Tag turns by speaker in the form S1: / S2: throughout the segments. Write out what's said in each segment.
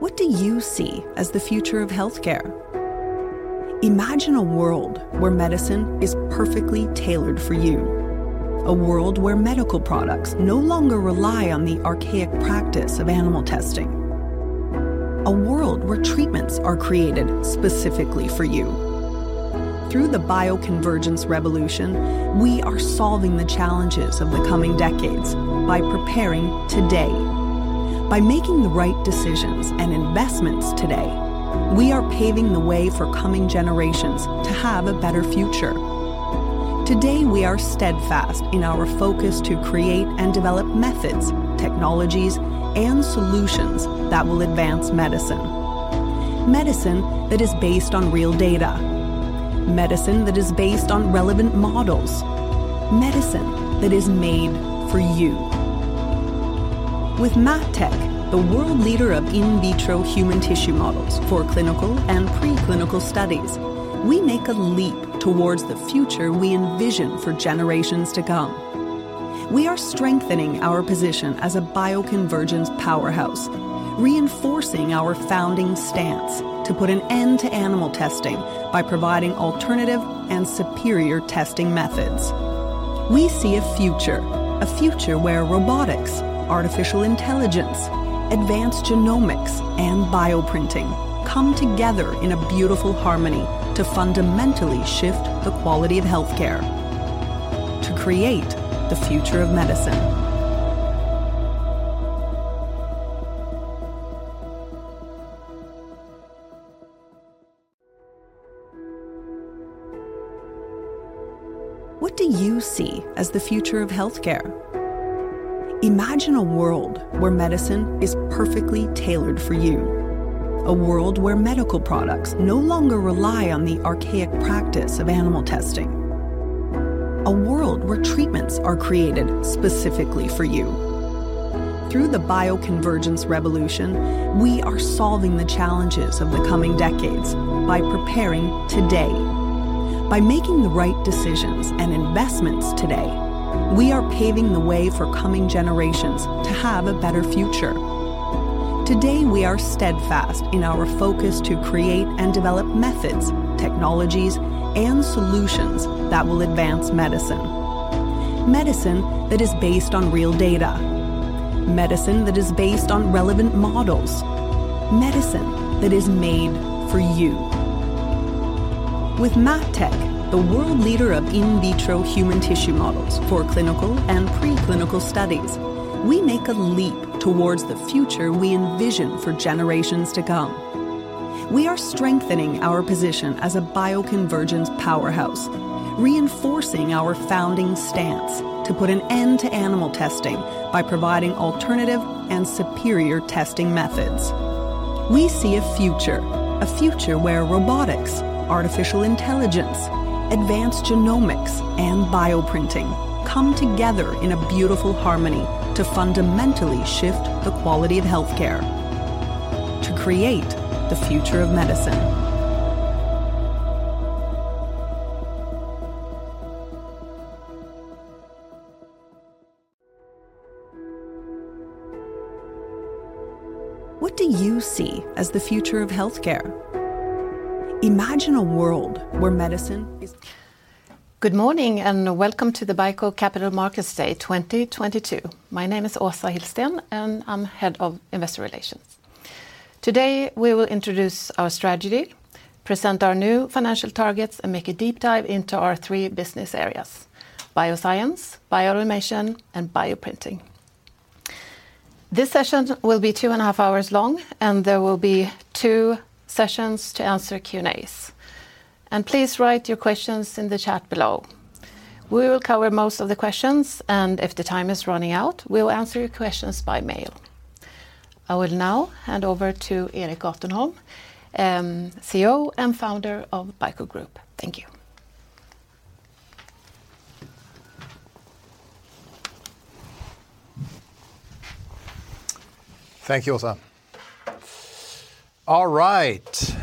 S1: What do you see as the future of healthcare? Imagine a world where medicine is perfectly tailored for you. A world where medical products no longer rely on the archaic practice of animal testing. A world where treatments are created specifically for you. Through the bioconvergence revolution, we are solving the challenges of the coming decades by preparing today. By making the right decisions and investments today, we are paving the way for coming generations to have a better future. Today, we are steadfast in our focus to create and develop methods, technologies, and solutions that will advance medicine. Medicine that is based on real data, medicine that is based on relevant models, medicine that is made for you. With MatTek, the world leader of in vitro human tissue models for clinical and pre-clinical studies, we make a leap towards the future we envision for generations to come. We are strengthening our position as a bioconvergence powerhouse, reinforcing our founding stance to put an end to animal testing by providing alternative and superior testing methods. We see a future, a future where robotics, artificial intelligence, advanced genomics, and bioprinting come together in a beautiful harmony to fundamentally shift the quality of healthcare to create the future of medicine. What do you see as the future of healthcare? Imagine a world where medicine is perfectly tailored for you. A world where medical products no longer rely on the archaic practice of animal testing. A world where treatments are created specifically for you. Through the bioconvergence revolution, we are solving the challenges of the coming decades by preparing today. By making the right decisions and investments today, we are paving the way for coming generations to have a better future. Today, we are steadfast in our focus to create and develop methods, technologies, and solutions that will advance medicine. Medicine that is based on real data, medicine that is based on relevant models, medicine that is made for you. With MatTek, the world leader of in vitro human tissue models for clinical and pre-clinical studies, we make a leap towards the future we envision for generations to come. We are strengthening our position as a bioconvergence powerhouse, reinforcing our founding stance to put an end to animal testing by providing alternative and superior testing methods. We see a future, a future where robotics, artificial intelligence, advanced genomics, and bioprinting come together in a beautiful harmony to fundamentally shift the quality of healthcare to create the future of medicine. What do you see as the future of healthcare? Imagine a world where medicine is.
S2: Good morning and welcome to the BICO Capital Markets Day 2022. My name is Åsa Hillsten, and I'm head of investor relations. Today, we will introduce our strategy, present our new financial targets, and make a deep dive into our three business areas: bioscience, bioautomation, and bioprinting. This session will be two and a half hours long, and there will be two sessions to answer Q&As. Please write your questions in the chat below. We will cover most of the questions, and if the time is running out, we'll answer your questions by mail. I will now hand over to Erik Gatenholm, CEO and founder of BICO Group. Thank you.
S3: Thank you, Åsa. All right.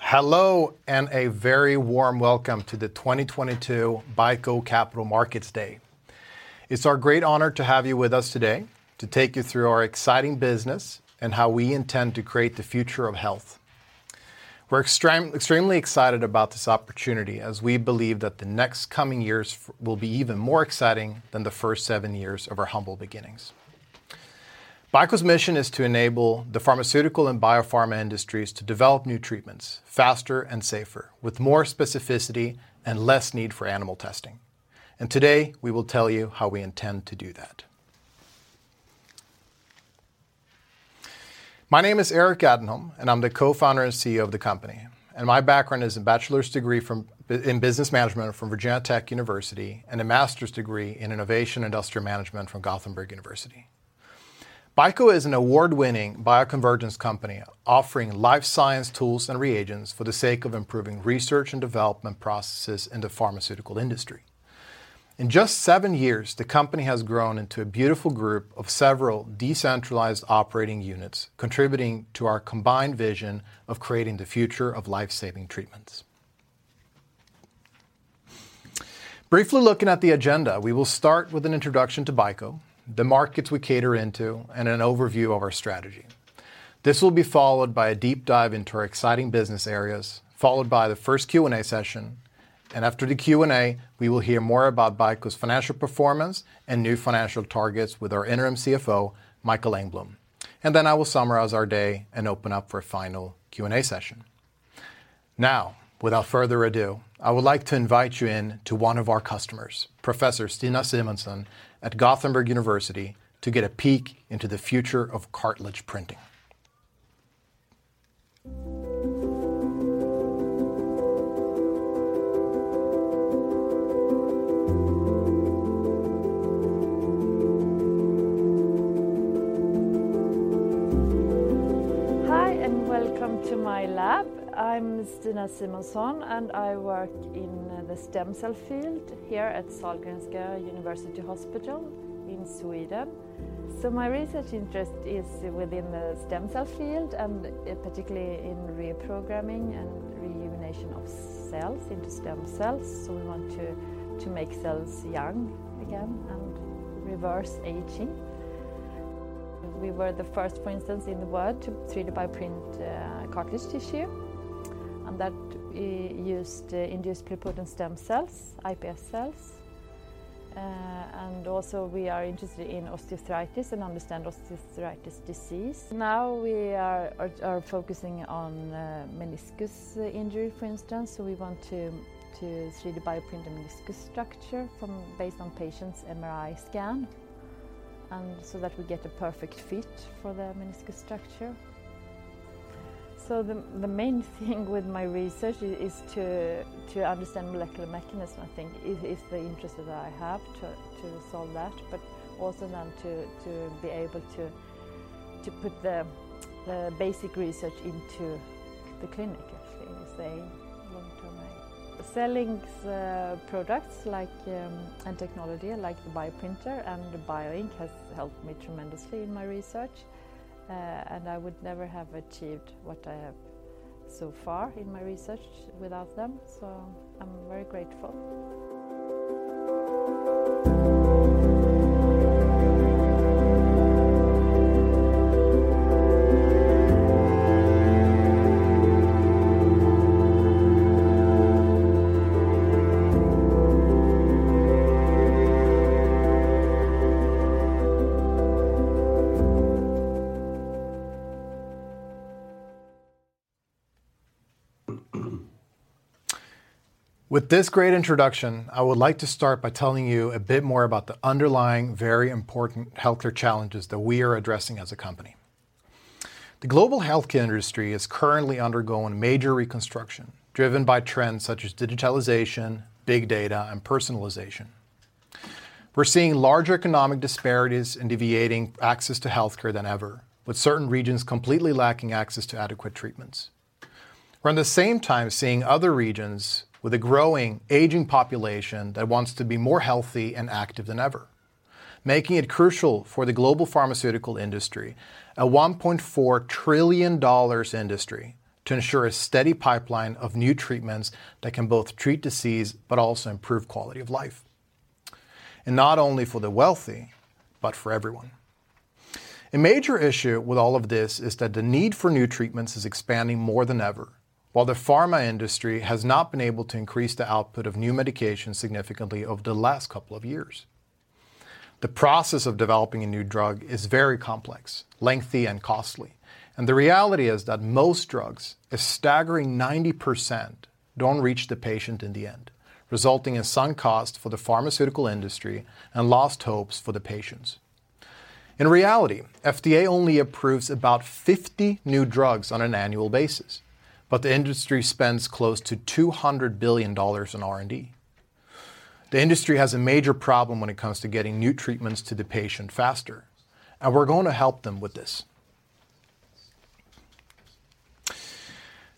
S3: Hello, and a very warm welcome to the 2022 BICO Capital Markets Day. It's our great honor to have you with us today to take you through our exciting business and how we intend to create the future of health. We're extremely excited about this opportunity as we believe that the next coming years will be even more exciting than the first seven years of our humble beginnings. BICO's mission is to enable the pharmaceutical and biopharma industries to develop new treatments faster and safer, with more specificity and less need for animal testing. Today, we will tell you how we intend to do that. My name is Erik Gatenholm, and I'm the Co-founder and CEO of the company. My background is a bachelor's degree in business management from Virginia Tech and a master's degree in innovation industrial management from University of Gothenburg. BICO is an award-winning bioconvergence company offering life science tools and reagents for the sake of improving research and development processes in the pharmaceutical industry. In just 7 years, the company has grown into a BICO Group of several decentralized operating units contributing to our combined vision of creating the future of life-saving treatments. Briefly looking at the agenda, we will start with an introduction to BICO, the markets we cater into, and an overview of our strategy. This will be followed by a deep dive into our exciting business areas, followed by the first Q&A session. After the Q&A, we will hear more about BICO's financial performance and new financial targets with our Interim CFO, Mikael Engblom. I will summarize our day and open up for a final Q&A session. Now, without further ado, I would like to invite you in to one of our customers, Professor Stina Simonsson at the University of Gothenburg, to get a peek into the future of cartilage printing.
S4: Hi, welcome to my lab. I'm Stina Simonsson, and I work in the stem cell field here at Sahlgrenska University Hospital in Sweden. My research interest is within the stem cell field and particularly in reprogramming and rejuvenation of cells into stem cells. We want to make cells young again and reverse aging. We were the first, for instance, in the world to 3D bioprint cartilage tissue, and that used induced pluripotent stem cells, iPS cells. We are interested in osteoarthritis and understand osteoarthritis disease. Now we are focusing on meniscus injury, for instance. We want to 3D Bioprint the meniscus structure from based on patient's MRI scan, and so that we get a perfect fit for the meniscus structure. The main thing with my research is to understand molecular mechanism. I think is the interest that I have to solve that, but also then to be able to put the basic research into the clinic. Actually, is the long-term aim. CELLINK's products like and technology like the Bioprinter and the bioink has helped me tremendously in my research. And I would never have achieved what I have so far in my research without them. I'm very grateful.
S3: With this great introduction, I would like to start by telling you a bit more about the underlying, very important healthcare challenges that we are addressing as a company. The global healthcare industry is currently undergoing major reconstruction, driven by trends such as digitalization, big data, and personalization. We're seeing larger economic disparities and deviating access to healthcare than ever, with certain regions completely lacking access to adequate treatments. We're at the same time seeing other regions with a growing aging population that wants to be more healthy and active than ever, making it crucial for the global pharmaceutical industry, a $1.4 trillion industry, to ensure a steady pipeline of new treatments that can both treat disease but also improve quality of life, and not only for the wealthy, but for everyone. A major issue with all of this is that the need for new treatments is expanding more than ever, while the pharma industry has not been able to increase the output of new medications significantly over the last couple of years. The process of developing a new drug is very complex, lengthy, and costly. The reality is that most drugs, a staggering 90%, don't reach the patient in the end, resulting in sunk cost for the pharmaceutical industry and lost hopes for the patients. In reality, FDA only approves about 50 new drugs on an annual basis, but the industry spends close to $200 billion in R&D. The industry has a major problem when it comes to getting new treatments to the patient faster, and we're going to help them with this.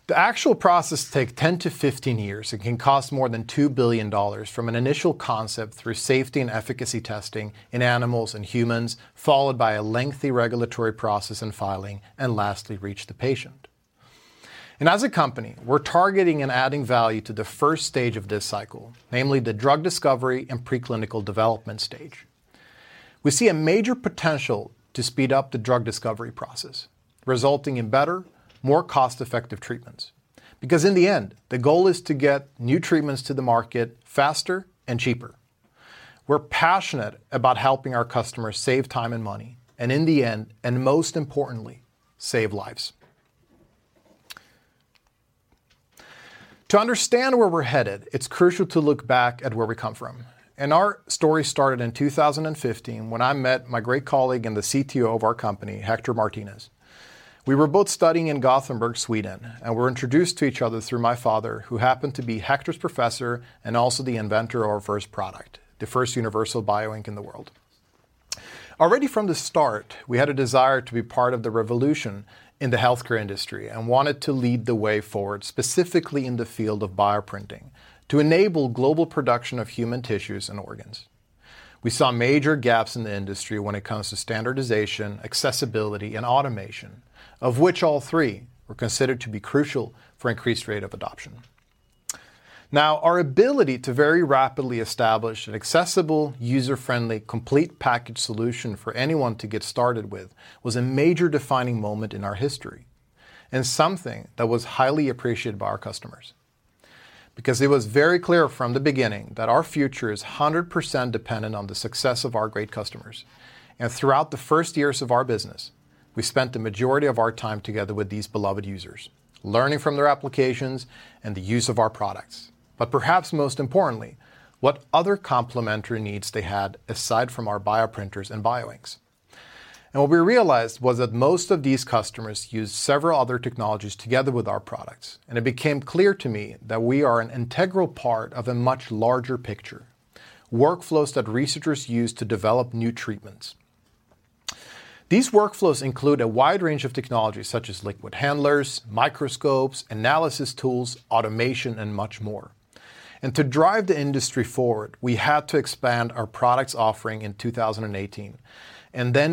S3: The actual process takes 10-15 years and can cost more than $2 billion from an initial concept through safety and efficacy testing in animals and humans, followed by a lengthy regulatory process and filing, and lastly, reach the patient. As a company, we're targeting and adding value to the first stage of this cycle, namely the drug discovery and preclinical development stage. We see a major potential to speed up the drug discovery process, resulting in better, more cost-effective treatments. Because in the end, the goal is to get new treatments to the market faster and cheaper. We're passionate about helping our customers save time and money, and in the end, and most importantly, save lives. To understand where we're headed, it's crucial to look back at where we come from. Our story started in 2015 when I met my great colleague and the CTO of our company, Héctor Martínez. We were both studying in Gothenburg, Sweden, and were introduced to each other through my father, who happened to be Hector's professor and also the inventor of our first product, the first universal bioink in the world. Already from the start, we had a desire to be part of the revolution in the healthcare industry and wanted to lead the way forward, specifically in the field of bioprinting, to enable global production of human tissues and organs. We saw major gaps in the industry when it comes to standardization, accessibility, and automation, of which all three were considered to be crucial for increased rate of adoption. Now, our ability to very rapidly establish an accessible, user-friendly, complete package solution for anyone to get started with was a major defining moment in our history and something that was highly appreciated by our customers. Because it was very clear from the beginning that our future is 100% dependent on the success of our great customers. Throughout the first years of our business, we spent the majority of our time together with these beloved users, learning from their applications and the use of our products. Perhaps most importantly, what other complementary needs they had aside from our bioprinters and bioinks. What we realized was that most of these customers used several other technologies together with our products, and it became clear to me that we are an integral part of a much larger picture, workflows that researchers use to develop new treatments. These workflows include a wide range of technologies such as liquid handlers, microscopes, analysis tools, automation, and much more. To drive the industry forward, we had to expand our product offering in 2018.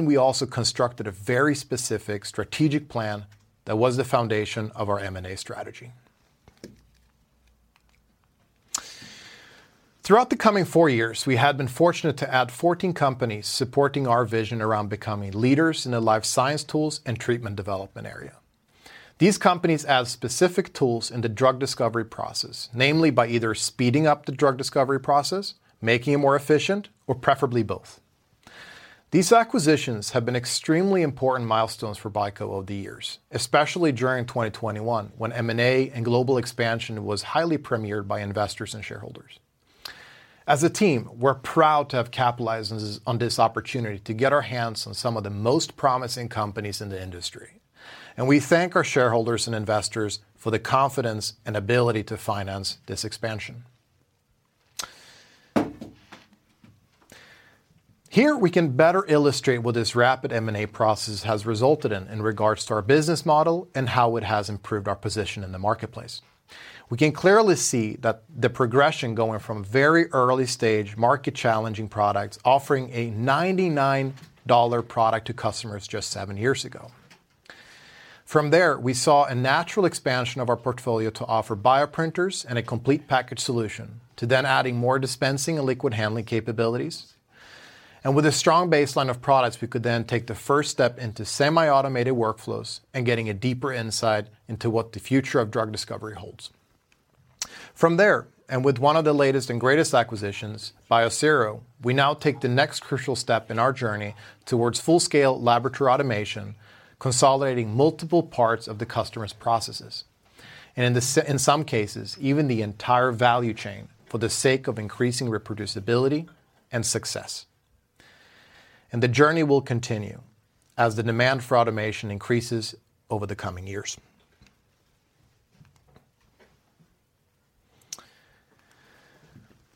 S3: We also constructed a very specific strategic plan that was the foundation of our M&A strategy. Throughout the coming four years, we have been fortunate to add 14 companies supporting our vision around becoming leaders in the life science tools and treatment development area. These companies add specific tools in the drug discovery process, namely by either speeding up the drug discovery process, making it more efficient, or preferably both. These acquisitions have been extremely important milestones for BICO over the years, especially during 2021 when M&A and global expansion was highly prioritized by investors and shareholders. As a team, we're proud to have capitalized on this opportunity to get our hands on some of the most promising companies in the industry, and we thank our shareholders and investors for the confidence and ability to finance this expansion. Here we can better illustrate what this rapid M&A process has resulted in in regards to our business model and how it has improved our position in the marketplace. We can clearly see that the progression going from very early-stage market-challenging products offering a $99 product to customers just seven years ago. From there, we saw a natural expansion of our portfolio to offer bioprinters and a complete package solution to then adding more dispensing and liquid handling capabilities. With a strong baseline of products, we could then take the first step into semi-automated workflows and getting a deeper insight into what the future of drug discovery holds. From there, with one of the latest and greatest acquisitions, Biosero, we now take the next crucial step in our journey towards full-scale laboratory automation, consolidating multiple parts of the customer's processes, and in some cases, even the entire value chain for the sake of increasing reproducibility and success. The journey will continue as the demand for automation increases over the coming years.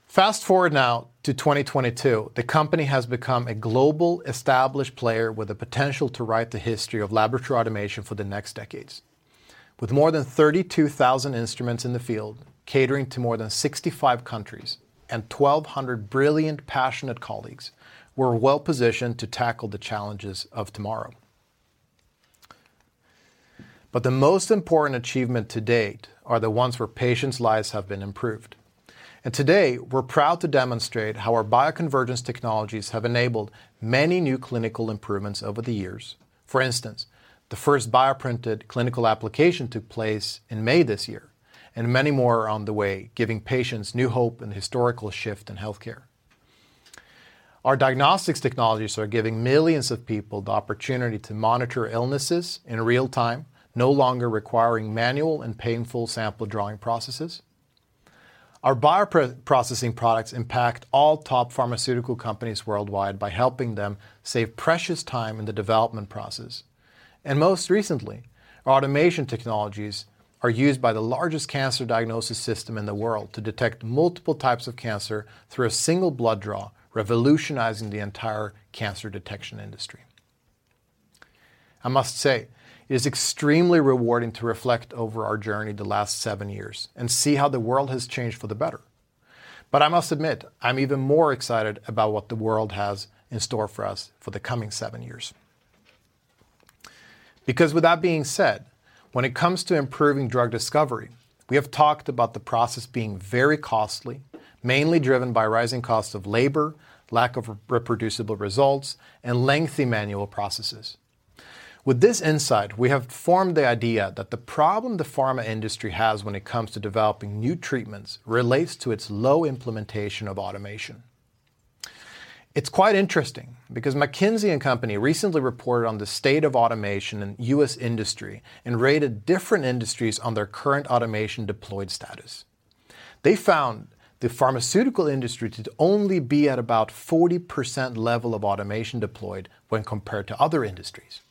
S3: Fast-forward now to 2022, the company has become a global established player with the potential to write the history of laboratory automation for the next decades. With more than 32,000 instruments in the field, catering to more than 65 countries and 1,200 brilliant, passionate colleagues, we're well-positioned to tackle the challenges of tomorrow. The most important achievement to date are the ones where patients' lives have been improved. Today, we're proud to demonstrate how our bioconvergence technologies have enabled many new clinical improvements over the years. For instance, the first bioprinted clinical application took place in May this year, and many more are on the way, giving patients new hope and historical shift in healthcare. Our diagnostics technologies are giving millions of people the opportunity to monitor illnesses in real time, no longer requiring manual and painful sample drawing processes. Our bioprocessing products impact all top pharmaceutical companies worldwide by helping them save precious time in the development process. Most recently, our automation technologies are used by the largest cancer diagnosis system in the world to detect multiple types of cancer through a single blood draw, revolutionizing the entire cancer detection industry. I must say, it is extremely rewarding to reflect over our journey the last seven years and see how the world has changed for the better. I must admit, I'm even more excited about what the world has in store for us for the coming seven years. With that being said, when it comes to improving drug discovery, we have talked about the process being very costly, mainly driven by rising costs of labor, lack of reproducible results, and lengthy manual processes. With this insight, we have formed the idea that the problem the pharma industry has when it comes to developing new treatments relates to its low implementation of automation. It's quite interesting because McKinsey & Company recently reported on the state of automation in U.S. industry and rated different industries on their current automation deployed status. They found the pharmaceutical industry to only be at about 40% level of automation deployed when compared to other industries.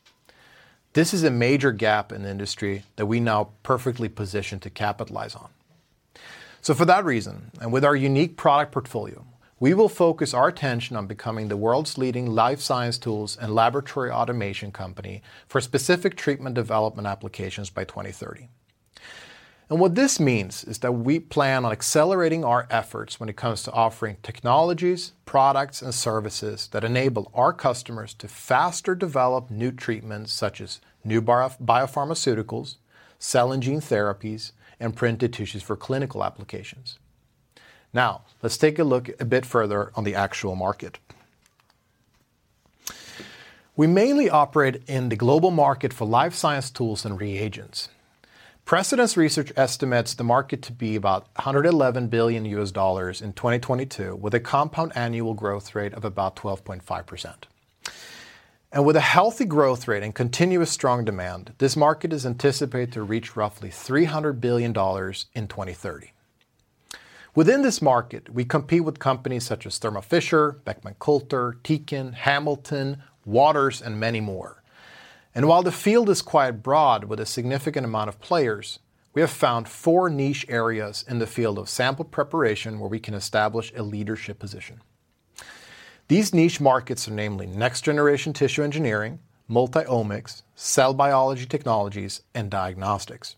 S3: This is a major gap in the industry that we now perfectly position to capitalize on. For that reason, and with our unique product portfolio, we will focus our attention on becoming the world's leading life science tools and laboratory automation company for specific treatment development applications by 2030. What this means is that we plan on accelerating our efforts when it comes to offering technologies, products, and services that enable our customers to faster develop new treatments such as new biopharmaceuticals, cell and gene therapies, and printed tissues for clinical applications. Now, let's take a look a bit further on the actual market. We mainly operate in the global market for life science tools and reagents. Precedence Research estimates the market to be about $111 billion in 2022, with a compound annual growth rate of about 12.5%. With a healthy growth rate and continuous strong demand, this market is anticipated to reach roughly $300 billion in 2030. Within this market, we compete with companies such as Thermo Fisher, Beckman Coulter, Tecan, Hamilton, Waters, and many more. While the field is quite broad with a significant amount of players, we have found four niche areas in the field of sample preparation where we can establish a leadership position. These niche markets are namely next generation tissue engineering, multi-omics, cell biology technologies, and diagnostics.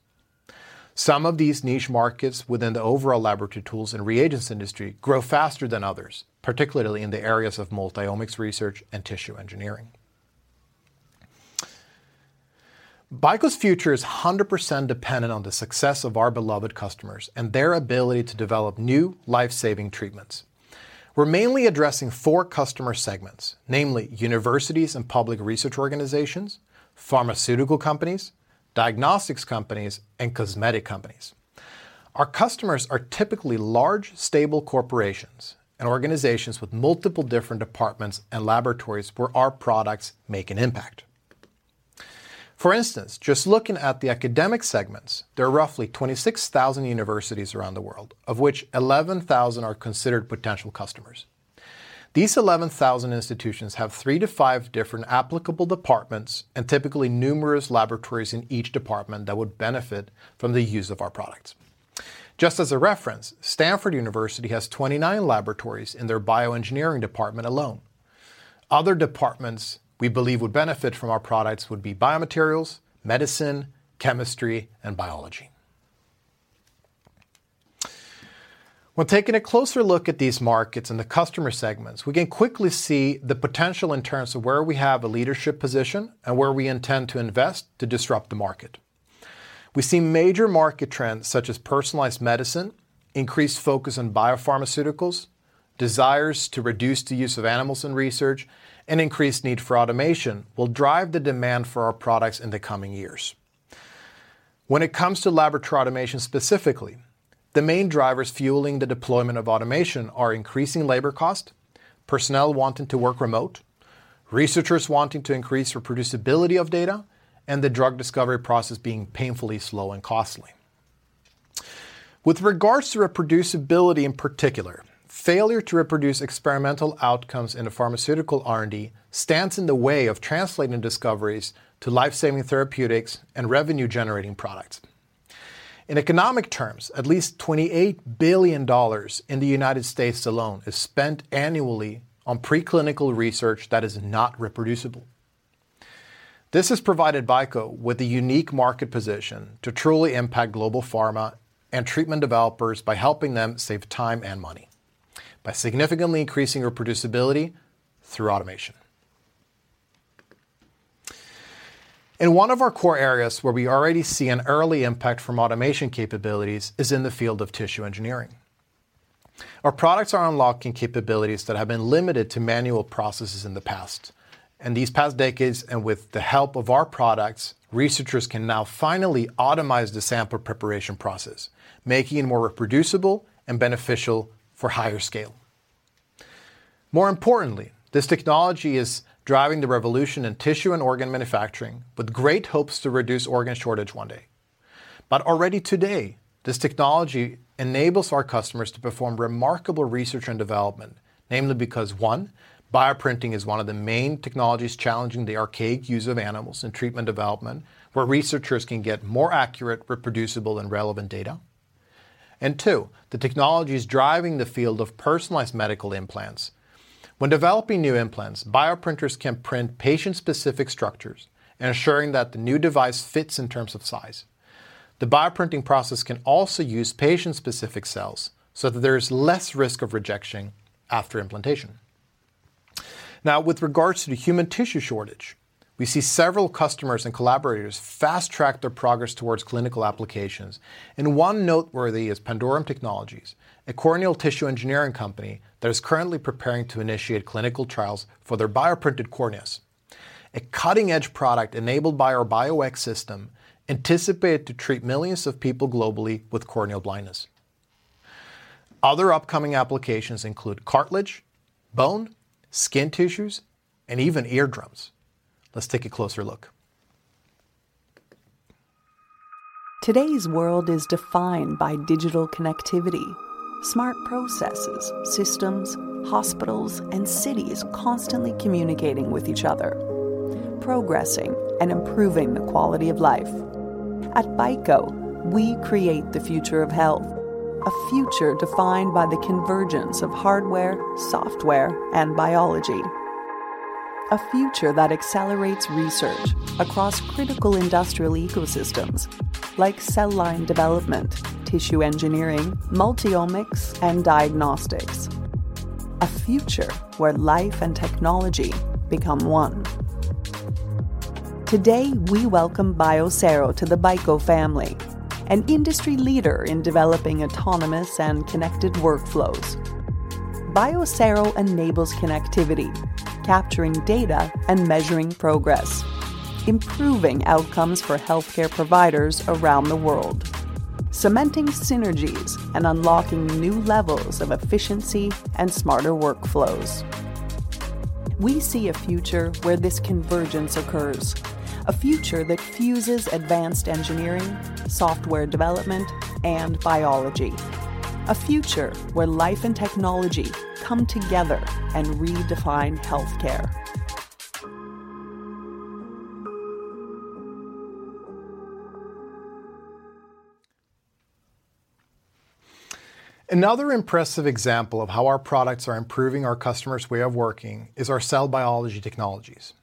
S3: Some of these niche markets within the overall laboratory tools and reagents industry grow faster than others, particularly in the areas of multi-omics research and tissue engineering. BICO's future is 100% dependent on the success of our beloved customers and their ability to develop new life-saving treatments. We're mainly addressing four customer segments, namely universities and public research organizations, pharmaceutical companies, diagnostics companies, and cosmetic companies. Our customers are typically large, stable corporations and organizations with multiple different departments and laboratories where our products make an impact. For instance, just looking at the academic segments, there are roughly 26,000 universities around the world, of which 11,000 are considered potential customers. These 11,000 institutions have 3-5 different applicable departments and typically numerous laboratories in each department that would benefit from the use of our products. Just as a reference, Stanford University has 29 laboratories in their bioengineering department alone. Other departments we believe would benefit from our products would be biomaterials, medicine, chemistry, and biology. When taking a closer look at these markets and the customer segments, we can quickly see the potential in terms of where we have a leadership position and where we intend to invest to disrupt the market. We see major market trends such as personalized medicine, increased focus on biopharmaceuticals, desires to reduce the use of animals in research, and increased need for automation will drive the demand for our products in the coming years. When it comes to laboratory automation specifically, the main drivers fueling the deployment of automation are increasing labor cost, personnel wanting to work remote, researchers wanting to increase reproducibility of data, and the drug discovery process being painfully slow and costly. With regards to reproducibility in particular, failure to reproduce experimental outcomes in a pharmaceutical R&D stands in the way of translating discoveries to life-saving therapeutics and revenue-generating products. In economic terms, at least $28 billion in the United States alone is spent annually on preclinical research that is not reproducible. This has provided BICO with a unique market position to truly impact global pharma and treatment developers by helping them save time and money by significantly increasing reproducibility through automation. One of our core areas where we already see an early impact from automation capabilities is in the field of tissue engineering. Our products are unlocking capabilities that have been limited to manual processes in the past. In these past decades, and with the help of our products, researchers can now finally automate the sample preparation process, making it more reproducible and beneficial for higher scale. More importantly, this technology is driving the revolution in tissue and organ manufacturing with great hopes to reduce organ shortage one day. Already today, this technology enables our customers to perform remarkable research and development, namely because, 1, bioprinting is one of the main technologies challenging the archaic use of animals in treatment development, where researchers can get more accurate, reproducible, and relevant data. 2, the technology is driving the field of personalized medical implants. When developing new implants, bioprinters can print patient-specific structures, ensuring that the new device fits in terms of size. The bioprinting process can also use patient-specific cells so that there's less risk of rejection after implantation. Now, with regards to the human tissue shortage, we see several customers and collaborators fast-track their progress towards clinical applications, and one noteworthy is Pandorum Technologies, a corneal tissue engineering company that is currently preparing to initiate clinical trials for their bioprinted corneas, a cutting-edge product enabled by our BIO X system anticipated to treat millions of people globally with corneal blindness. Other upcoming applications include cartilage, bone, skin tissues, and even eardrums. Let's take a closer look.
S1: Today's world is defined by digital connectivity, smart processes, systems, hospitals, and cities constantly communicating with each other, progressing and improving the quality of life. At BICO, we create the future of health, a future defined by the convergence of hardware, software, and biology. A future that accelerates research across critical industrial ecosystems like cell line development, tissue engineering, multi-omics, and diagnostics. A future where life and technology become one. Today, we welcome Biosero to the BICO family, an industry leader in developing autonomous and connected workflows. Biosero enables connectivity, capturing data and measuring progress, improving outcomes for healthcare providers around the world, cementing synergies and unlocking new levels of efficiency and smarter workflows. We see a future where this convergence occurs, a future that fuses advanced engineering, software development, and biology, a future where life and technology come together and redefine healthcare.
S3: Another impressive example of how our products are improving our customers' way of working is our cell biology technologies.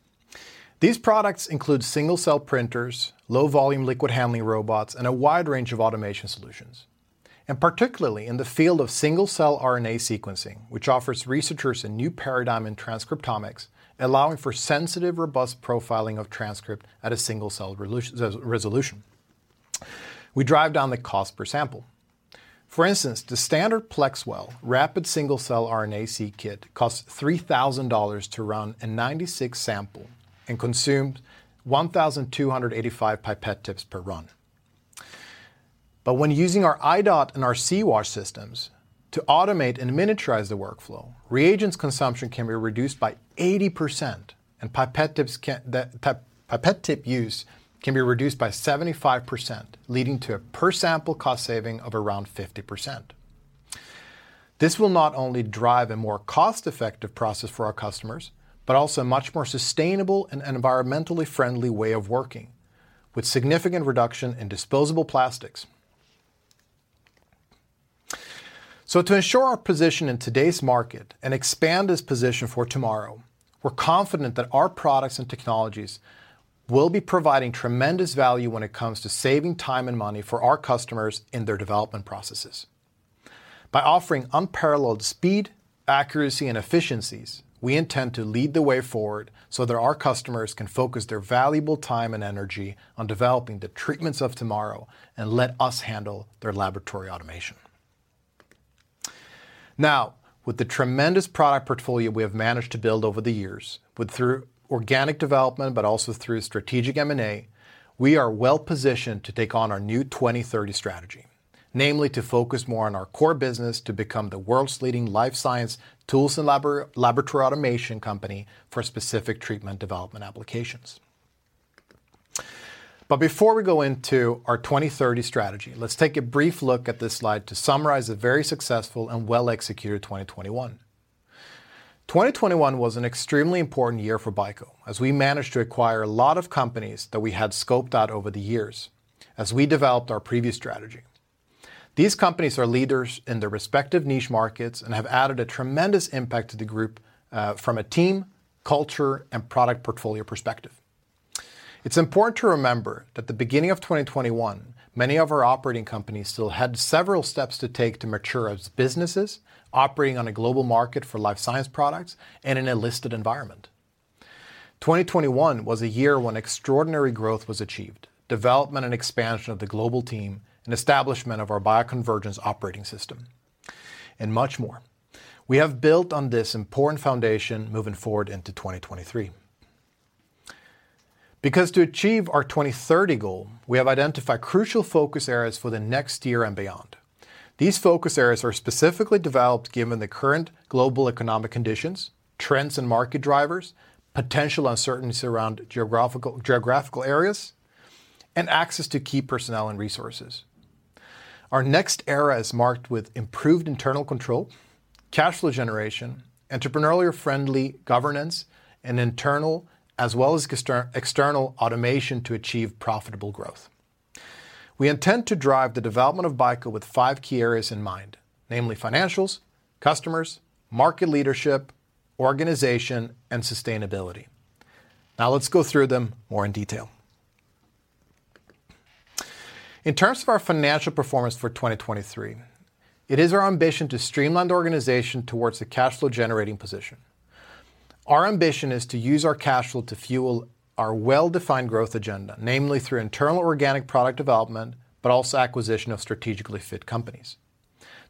S3: These products include single cell printers, low volume liquid handling robots, and a wide range of automation solutions, and particularly in the field of single cell RNA sequencing, which offers researchers a new paradigm in transcriptomics, allowing for sensitive, robust profiling of transcript at a single cell resolution. We drive down the cost per sample. For instance, the standard plexWell rapid single cell RNA seq kit costs $3,000 to run a 96 sample and consumed 1,285 pipette tips per run. When using our I.DOT and our C.WASH systems to automate and miniaturize the workflow, reagents consumption can be reduced by 80% and pipette tips can—the pipette tip use can be reduced by 75%, leading to a per sample cost saving of around 50%. This will not only drive a more cost-effective process for our customers, but also a much more sustainable and environmentally friendly way of working, with significant reduction in disposable plastics. To ensure our position in today's market and expand this position for tomorrow, we're confident that our products and technologies will be providing tremendous value when it comes to saving time and money for our customers in their development processes. By offering unparalleled speed, accuracy, and efficiencies, we intend to lead the way forward so that our customers can focus their valuable time and energy on developing the treatments of tomorrow and let us handle their laboratory automation. Now, with the tremendous product portfolio we have managed to build over the years, through organic development but also through strategic M&A, we are well positioned to take on our new 2030 strategy, namely to focus more on our core business to become the world's leading life science tools and laboratory automation company for specific treatment development applications. Before we go into our 2030 strategy, let's take a brief look at this slide to summarize a very successful and well-executed 2021. 2021 was an extremely important year for BICO, as we managed to acquire a lot of companies that we had scoped out over the years as we developed our previous strategy. These companies are leaders in their respective niche markets and have added a tremendous impact to the group, from a team, culture, and product portfolio perspective. It's important to remember that the beginning of 2021, many of our operating companies still had several steps to take to mature as businesses operating on a global market for life science products and in a listed environment. 2021 was a year when extraordinary growth was achieved, development and expansion of the global team, and establishment of our bioconvergence operating system, and much more. We have built on this important foundation moving forward into 2023. Because to achieve our 2030 goal, we have identified crucial focus areas for the next year and beyond. These focus areas are specifically developed given the current global economic conditions, trends and market drivers, potential uncertainties around geographical areas, and access to key personnel and resources. Our next era is marked with improved internal control, cash flow generation, entrepreneurial friendly governance, and internal as well as external automation to achieve profitable growth. We intend to drive the development of BICO with five key areas in mind, namely financials, customers, market leadership, organization, and sustainability. Now let's go through them more in detail. In terms of our financial performance for 2023, it is our ambition to streamline the organization towards the cash flow generating position. Our ambition is to use our cash flow to fuel our well-defined growth agenda, namely through internal organic product development, but also acquisition of strategically fit companies.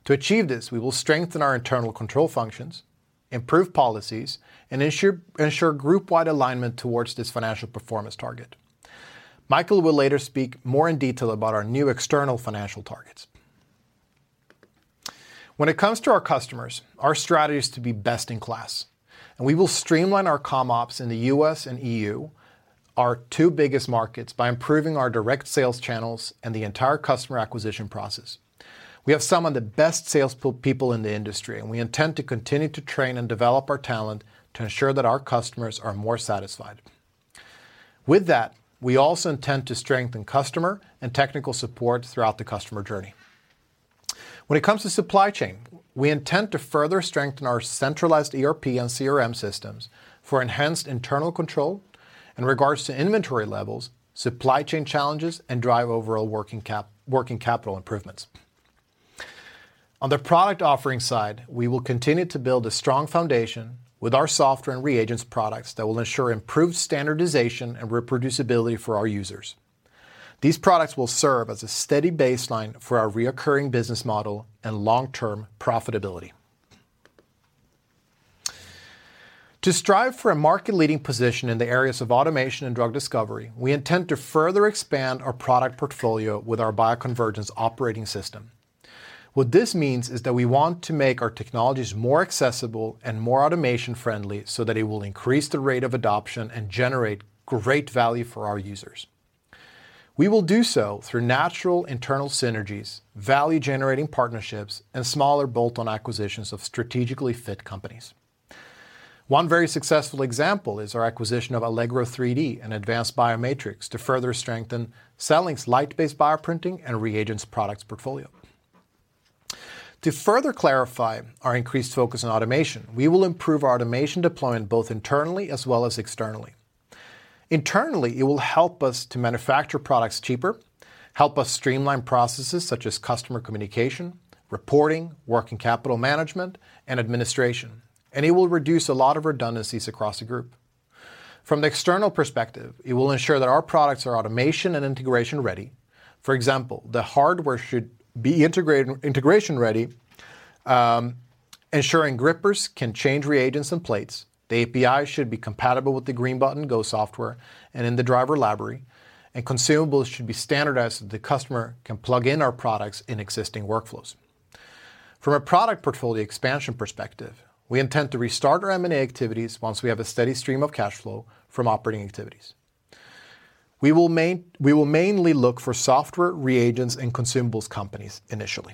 S3: To achieve this, we will strengthen our internal control functions, improve policies, and ensure group-wide alignment towards this financial performance target. Mikael will later speak more in detail about our new external financial targets. When it comes to our customers, our strategy is to be best in class, and we will streamline our comm ops in the U.S. and EU, our two biggest markets, by improving our direct sales channels and the entire customer acquisition process. We have some of the best sales people in the industry, and we intend to continue to train and develop our talent to ensure that our customers are more satisfied. With that, we also intend to strengthen customer and technical support throughout the customer journey. When it comes to supply chain, we intend to further strengthen our centralized ERP and CRM systems for enhanced internal control in regards to inventory levels, supply chain challenges, and drive overall working capital improvements. On the product offering side, we will continue to build a strong foundation with our software and reagents products that will ensure improved standardization and reproducibility for our users. These products will serve as a steady baseline for our recurring business model and long-term profitability. To strive for a market leading position in the areas of automation and drug discovery, we intend to further expand our product portfolio with our Bioconvergence operating system. What this means is that we want to make our technologies more accessible and more automation friendly so that it will increase the rate of adoption and generate great value for our users. We will do so through natural internal synergies, value generating partnerships, and smaller bolt-on acquisitions of strategically fit companies. One very successful example is our acquisition Allegro 3D and Advanced BioMatrix to further strengthen CELLINK's light-based bioprinting and reagents products portfolio. To further clarify our increased focus on automation, we will improve our automation deployment both internally as well as externally. Internally, it will help us to manufacture products cheaper, help us streamline processes such as customer communication, reporting, working capital management, and administration, and it will reduce a lot of redundancies across the group. From the external perspective, it will ensure that our products are automation and integration ready. For example, the hardware should be integration ready, ensuring grippers can change reagents and plates. The API should be compatible with the Green Button Go software and in the driver library, and consumables should be standardized so the customer can plug in our products in existing workflows. From a product portfolio expansion perspective, we intend to restart our M&A activities once we have a steady stream of cash flow from operating activities. We will mainly look for software, reagents, and consumables companies initially.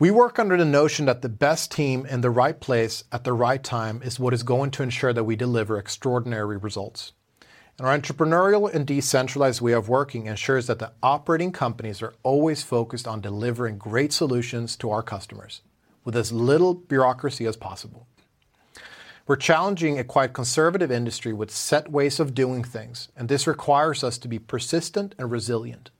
S3: We work under the notion that the best team in the right place at the right time is what is going to ensure that we deliver extraordinary results. Our entrepreneurial and decentralized way of working ensures that the operating companies are always focused on delivering great solutions to our customers with as little bureaucracy as possible. We're challenging a quite conservative industry with set ways of doing things, and this requires us to be persistent and resilient.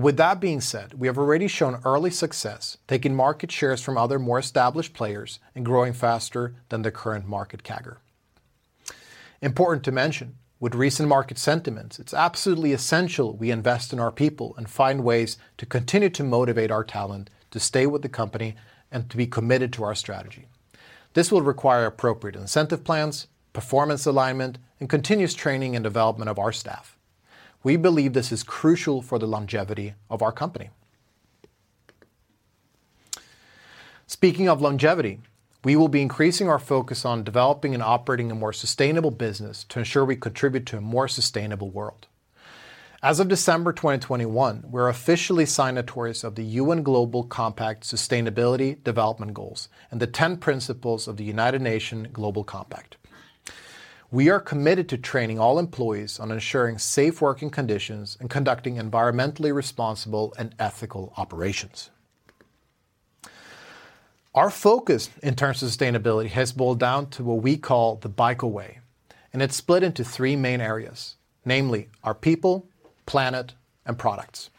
S3: With that being said, we have already shown early success taking market shares from other more established players and growing faster than the current market CAGR. Important to mention, with recent market sentiments, it's absolutely essential we invest in our people and find ways to continue to motivate our talent to stay with the company and to be committed to our strategy. This will require appropriate incentive plans, performance alignment, and continuous training and development of our staff. We believe this is crucial for the longevity of our company. Speaking of longevity, we will be increasing our focus on developing and operating a more sustainable business to ensure we contribute to a more sustainable world. As of December 2021, we're officially signatories of the UN Global Compact Sustainable Development Goals and the 10 principles of the United Nations Global Compact. We are committed to training all employees on ensuring safe working conditions and conducting environmentally responsible and ethical operations. Our focus in terms of sustainability has boiled down to what we call the BICO way, and it's split into three main areas, namely our people, planet, and products.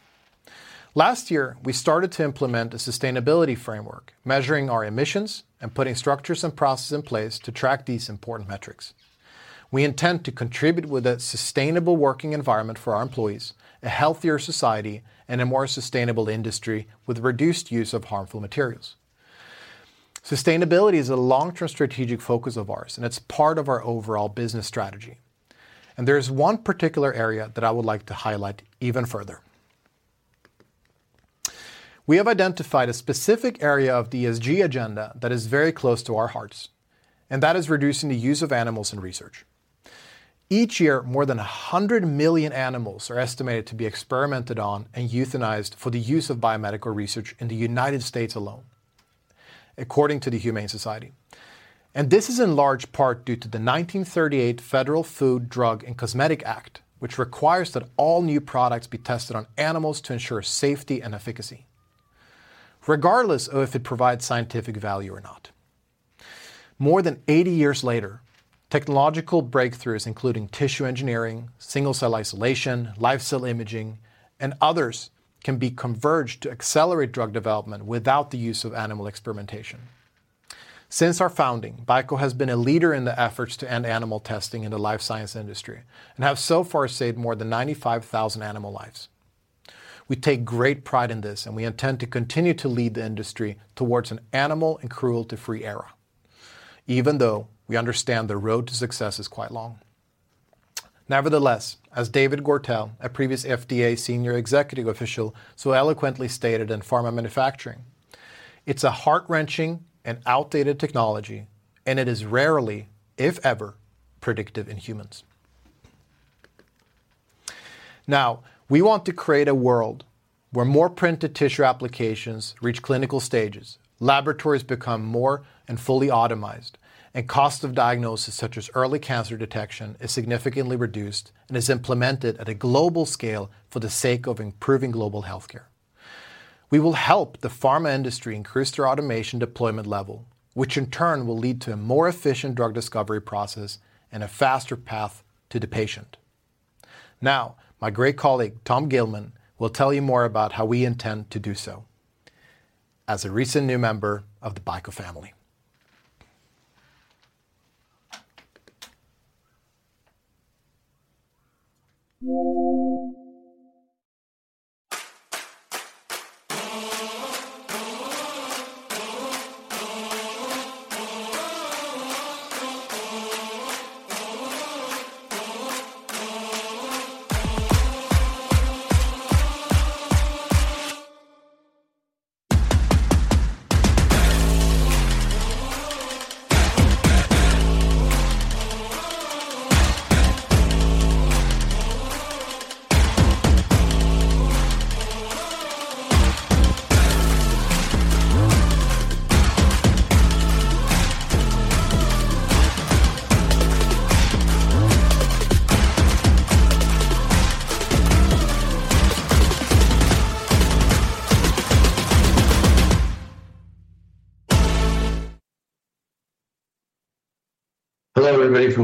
S3: Last year, we started to implement a sustainability framework, measuring our emissions and putting structures and processes in place to track these important metrics. We intend to contribute with a sustainable working environment for our employees, a healthier society, and a more sustainable industry with reduced use of harmful materials. Sustainability is a long-term strategic focus of ours, and it's part of our overall business strategy, and there's one particular area that I would like to highlight even further. We have identified a specific area of the ESG agenda that is very close to our hearts, and that is reducing the use of animals in research. Each year, more than 100 million animals are estimated to be experimented on and euthanized for the use of biomedical research in the United States alone, according to the Humane Society. This is in large part due to the 1938 Federal Food, Drug, and Cosmetic Act, which requires that all new products be tested on animals to ensure safety and efficacy, regardless of if it provides scientific value or not. More than 80 years later, technological breakthroughs including tissue engineering, single-cell isolation, live-cell imaging, and others can be converged to accelerate drug development without the use of animal experimentation. Since our founding, BICO has been a leader in the efforts to end animal testing in the life science industry and have so far saved more than 95,000 animal lives. We take great pride in this, and we intend to continue to lead the industry towards an animal and cruelty-free era, even though we understand the road to success is quite long. Nevertheless, as David Gortler, former senior advisor to the FDA commissioner, so eloquently stated in Pharma Manufacturing, "It's a heart-wrenching and outdated technology, and it is rarely, if ever, predictive in humans." Now, we want to create a world where more printed tissue applications reach clinical stages, laboratories become more and fully automated, and cost of diagnosis, such as early cancer detection, is significantly reduced and is implemented at a global scale for the sake of improving global healthcare. We will help the pharma industry increase their automation deployment level, which in turn will lead to a more efficient drug discovery process and a faster path to the patient. Now, my great colleague, Tom Gilman, will tell you more about how we intend to do so as a recent new member of the BICO family.
S5: Hello, everybody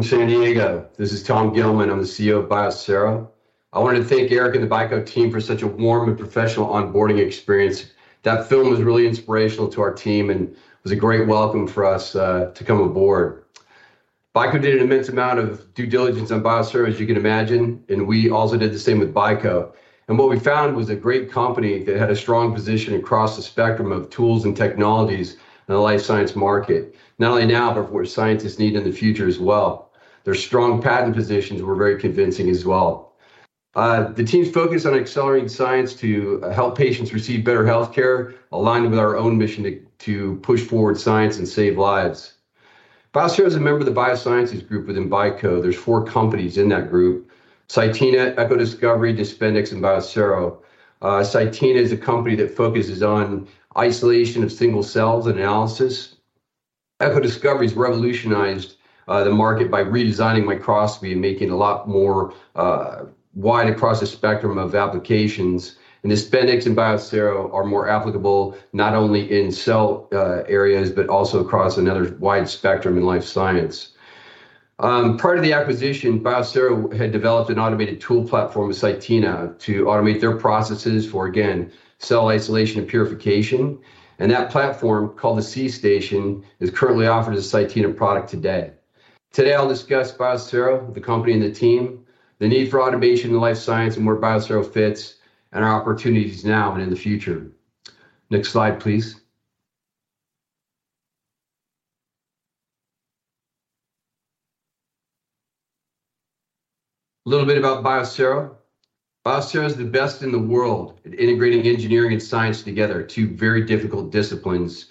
S5: from San Diego. This is Tom Gilman. I'm the CEO of Biosero. I want to thank Erik and the BICO team for such a warm and professional experience. That film was really inspirational to our team and was a great welcome for us to come aboard. BICO did an immense amount of due diligence on Biosero, as you can imagine, and we also did the same with BICO. What we found was a great company that had a strong position across the spectrum of tools and technologies in the life science market, not only now, but for what scientists need in the future as well. Their strong patent positions were very convincing as well. The team's focus on accelerating science to help patients receive better health care aligned with our own mission to push forward science and save lives. Biosero is a member of the Biosciences group within BICO. There are four companies in that group, CYTENA, Discover Echo, Dispendix, and Biosero. CYTENA is a company that focuses on isolation of single cells and analysis. Discover Echo has revolutionized the market by redesigning microscopy and making a lot more widely across the spectrum of applications. Dispendix and Biosero are more applicable not only in cell areas, but also across another wide spectrum in life science. Prior to the acquisition, Biosero had developed an automated tool platform with CYTENA to automate their processes for, again, cell isolation and purification. That platform, called the C.STATION, is currently offered as a CYTENA product today. Today, I'll discuss Biosero, the company and the team, the need for automation in life science and where Biosero fits, and our opportunities now and in the future. Next slide, please. A little bit about Biosero. Biosero is the best in the world at integrating engineering and science together, two very difficult disciplines,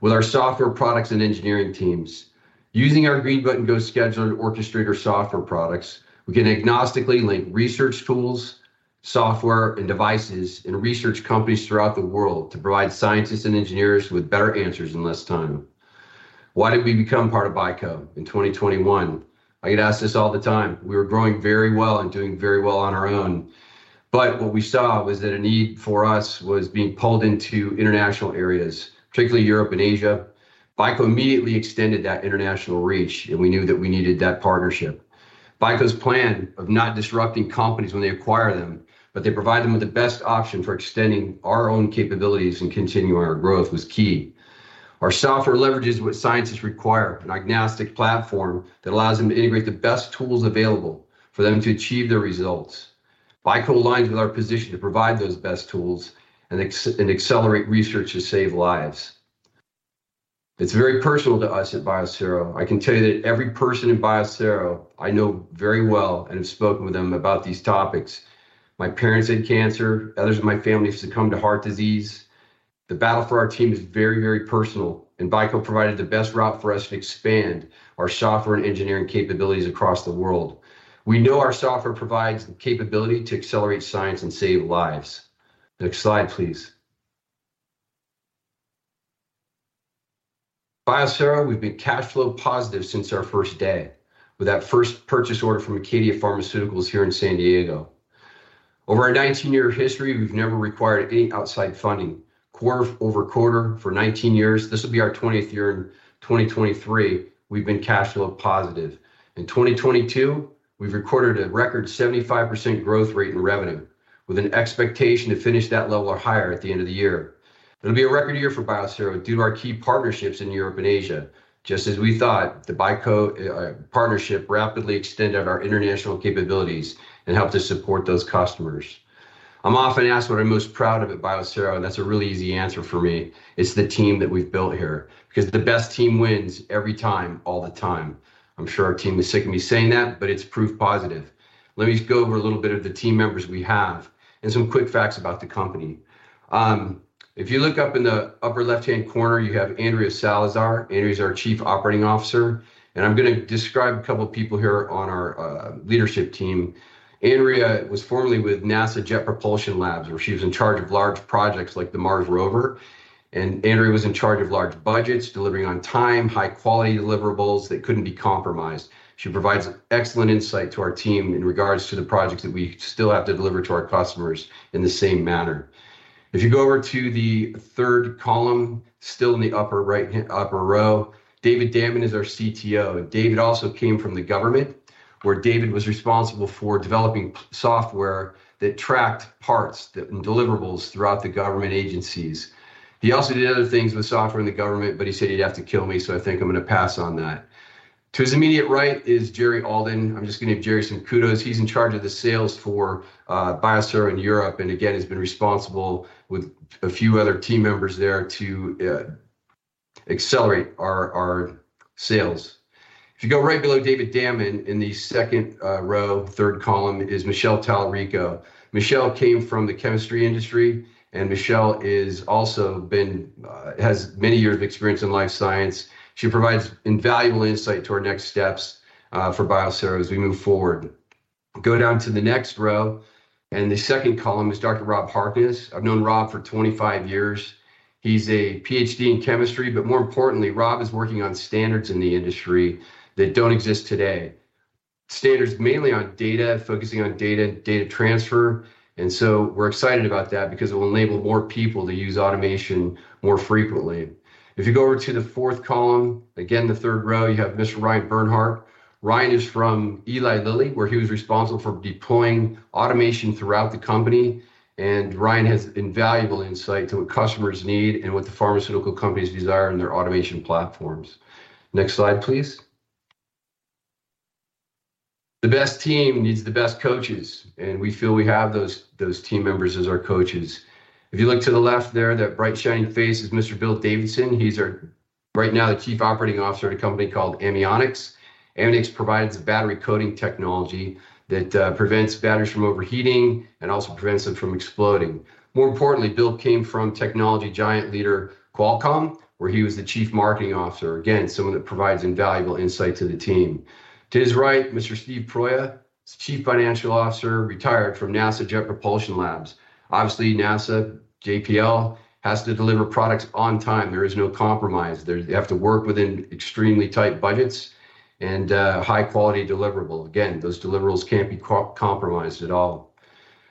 S5: with our software products and engineering teams. Using our Green Button Go Scheduler and Orchestrator software products, we can agnostically link research tools, software, and devices in research companies throughout the world to provide scientists and engineers with better answers in less time. Why did we become part of BICO in 2021? I get asked this all the time. We were growing very well and doing very well on our own. What we saw was that a need for us was being pulled into international areas, particularly Europe and Asia. BICO immediately extended that international reach, and we knew that we needed that partnership. BICO's plan of not disrupting companies when they acquire them, but they provide them with the best option for extending our own capabilities and continuing our growth was key. Our software leverages what scientists require, an agnostic platform that allows them to integrate the best tools available for them to achieve their results. BICO aligns with our position to provide those best tools and accelerate research to save lives. It's very personal to us at Biosero. I can tell you that every person in Biosero I know very well and have spoken with them about these topics. My parents had cancer. Others in my family have succumbed to heart disease. The battle for our team is very, very personal, and BICO provided the best route for us to expand our software and engineering capabilities across the world. We know our software provides the capability to accelerate science and save lives. Next slide, please. Biosero, we've been cash flow positive since our first day with that first purchase order from Acadia Pharmaceuticals here in San Diego. Over our 19-year history, we've never required any outside funding. Quarter-over-quarter for 19 years, this will be our 20th year in 2023, we've been cash flow positive. In 2022, we've recorded a record 75% growth rate in revenue, with an expectation to finish that level or higher at the end of the year. It'll be a record year for Biosero due to our key partnerships in Europe and Asia. Just as we thought, the BICO partnership rapidly extended our international capabilities and helped us support those customers. I'm often asked what I'm most proud of at Biosero, and that's a really easy answer for me. It's the team that we've built here, because the best team wins every time, all the time. I'm sure our team is sick of me saying that, but it's proof positive. Let me just go over a little bit of the team members we have and some quick facts about the company. If you look up in the upper left-hand corner, you have Andrea Salazar. Andrea is our Chief Operating Officer. I'm going to describe a couple of people here on our leadership team. Andrea was formerly with NASA Jet Propulsion Laboratory, where she was in charge of large projects like the Mars Rover. Andrea was in charge of large budgets, delivering on time, high-quality deliverables that couldn't be compromised. She provides excellent insight to our team in regards to the projects that we still have to deliver to our customers in the same manner. If you go over to the 3rd column, still in the upper right, upper row, David Dammann is our CTO. David also came from the government, where David was responsible for developing software that tracked parts and deliverables throughout the government agencies. He also did other things with software in the government, but he said he'd have to kill me, so I think I'm going to pass on that. To his immediate right is Jerry Alden. I'm just going to give Jerry some kudos. He's in charge of the sales for Biosero in Europe. Again, he's been responsible with a few other team members there to accelerate our sales. If you go right below David Dammann in the second row, 3rd column is Michelle Talarico. Michelle came from the chemistry industry, and Michelle has many years of experience in life science. She provides invaluable insight to our next steps for Biosero as we move forward. Go down to the next row, and the second column is Dr. Rob Harkness. I've known Rob for 25 years. He's a Ph.D. in chemistry, but more importantly, Rob is working on standards in the industry that don't exist today. Standards mainly on data, focusing on data and data transfer. We're excited about that because it will enable more people to use automation more frequently. If you go over to the fourth column, again, the 3rd row, you have Mr. Ryan Bernhardt. Ryan is from Eli Lilly, where he was responsible for deploying automation throughout the company. Ryan has invaluable insight to what customers need and what the pharmaceutical companies desire in their automation platforms. Next slide, please. The best team needs the best coaches, and we feel we have those team members as our coaches. If you look to the left there, that bright shining face is Mr. Bill Davidson. He's right now the Chief Operating Officer at a company called Amionx. Amionx provides battery coating technology that prevents batteries from overheating and also prevents them from exploding. More importantly, Bill came from technology giant leader Qualcomm, where he was the chief marketing officer. Again, someone that provides invaluable insight to the team. To his right, Mr. Steve Proia, Chief Financial Officer, retired from NASA Jet Propulsion Laboratory. Obviously, NASA JPL has to deliver products on time. There is no compromise. They have to work within extremely tight budgets and high-quality deliverable. Again, those deliverables can't be compromised at all.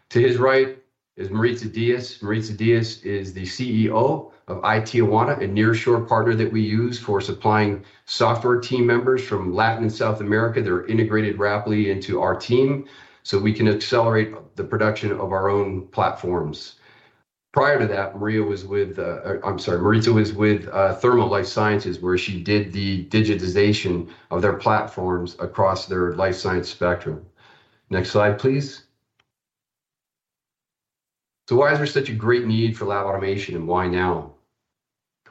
S5: To his right is Maritza Diaz. Maritza Diaz is the CEO of ITJ, a nearshore partner that we use for supplying software team members from Latin and South America. They're integrated rapidly into our team so we can accelerate the production of our own platforms. Prior to that, Maritza was with Thermo Fisher Scientific, where she did the digitization of their platforms across their life science spectrum. Next slide, please. Why is there such a great need for lab automation and why now?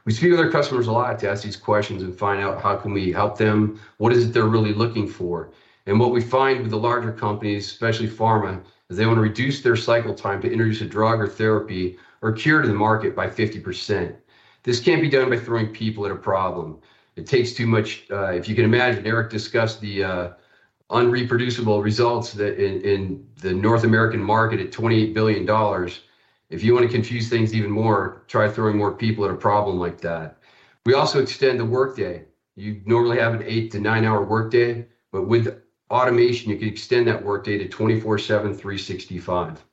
S5: We speak with our customers a lot to ask these questions and find out how can we help them, what is it they're really looking for. What we find with the larger companies, especially pharma, is they want to reduce their cycle time to introduce a drug or therapy or cure to the market by 50%. This can't be done by throwing people at a problem. It takes too much. If you can imagine, Erik discussed the unreproducible results in the North American market at $28 billion. If you want to confuse things even more, try throwing more people at a problem like that. We also extend the workday. You normally have an 8- to 9-hour workday, but with automation, you can extend that workday to 24-7, 365.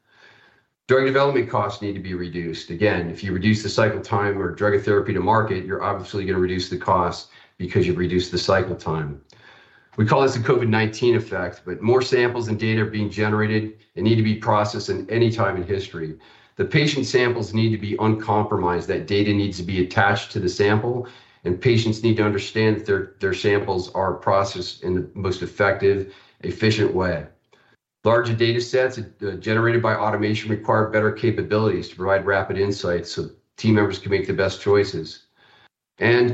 S5: During development costs need to be reduced. Again, if you reduce the cycle time or drug or therapy to market, you're obviously going to reduce the cost because you've reduced the cycle time. We call this the COVID-19 effect, but more samples and data are being generated and need to be processed than at any time in history. The patient samples need to be uncompromised. That data needs to be attached to the sample and patients need to understand that their samples are processed in the most effective, efficient way. Larger data sets generated by automation require better capabilities to provide rapid insights so team members can make the best choices.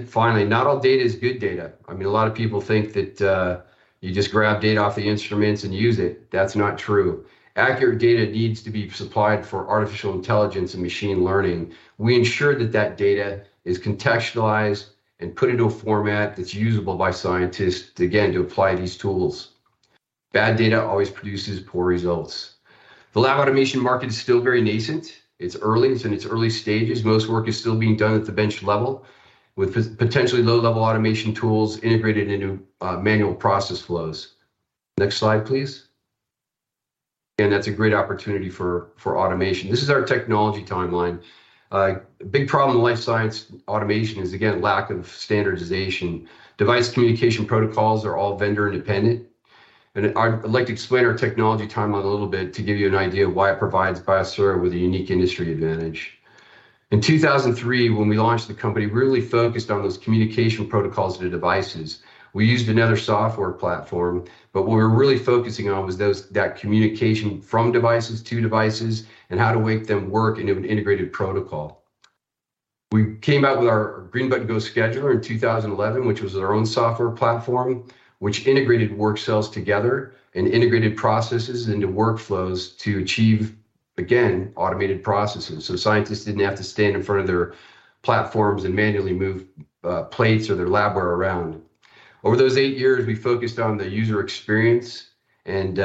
S5: Finally, not all data is good data. I mean, a lot of people think that you just grab data off the instruments and use it. That's not true. Accurate data needs to be supplied for artificial intelligence and machine learning. We ensure that that data is contextualized and put into a format that's usable by scientists, again, to apply these tools. Bad data always produces poor results. The lab automation market is still very nascent. It's early. It's in its early stages. Most work is still being done at the bench level with potentially low-level automation tools integrated into manual process flows. Next slide, please. That's a great opportunity for automation. This is our technology timeline. A big problem in life science automation is, again, lack of standardization. Device communication protocols are all vendor independent. I'd like to explain our technology timeline a little bit to give you an idea of why it provides Biosero with a unique industry advantage. In 2003, when we launched the company, we really focused on those communication protocols to devices. We used another software platform, but what we were really focusing on was that communication from devices to devices and how to make them work into an integrated protocol. We came out with our Green Button Go Scheduler in 2011, which was our own software platform, which integrated work cells together and integrated processes into workflows to achieve, again, automated processes. Scientists didn't have to stand in front of their platforms and manually move plates or their labware around. Over those eight years, we focused on the user experience, and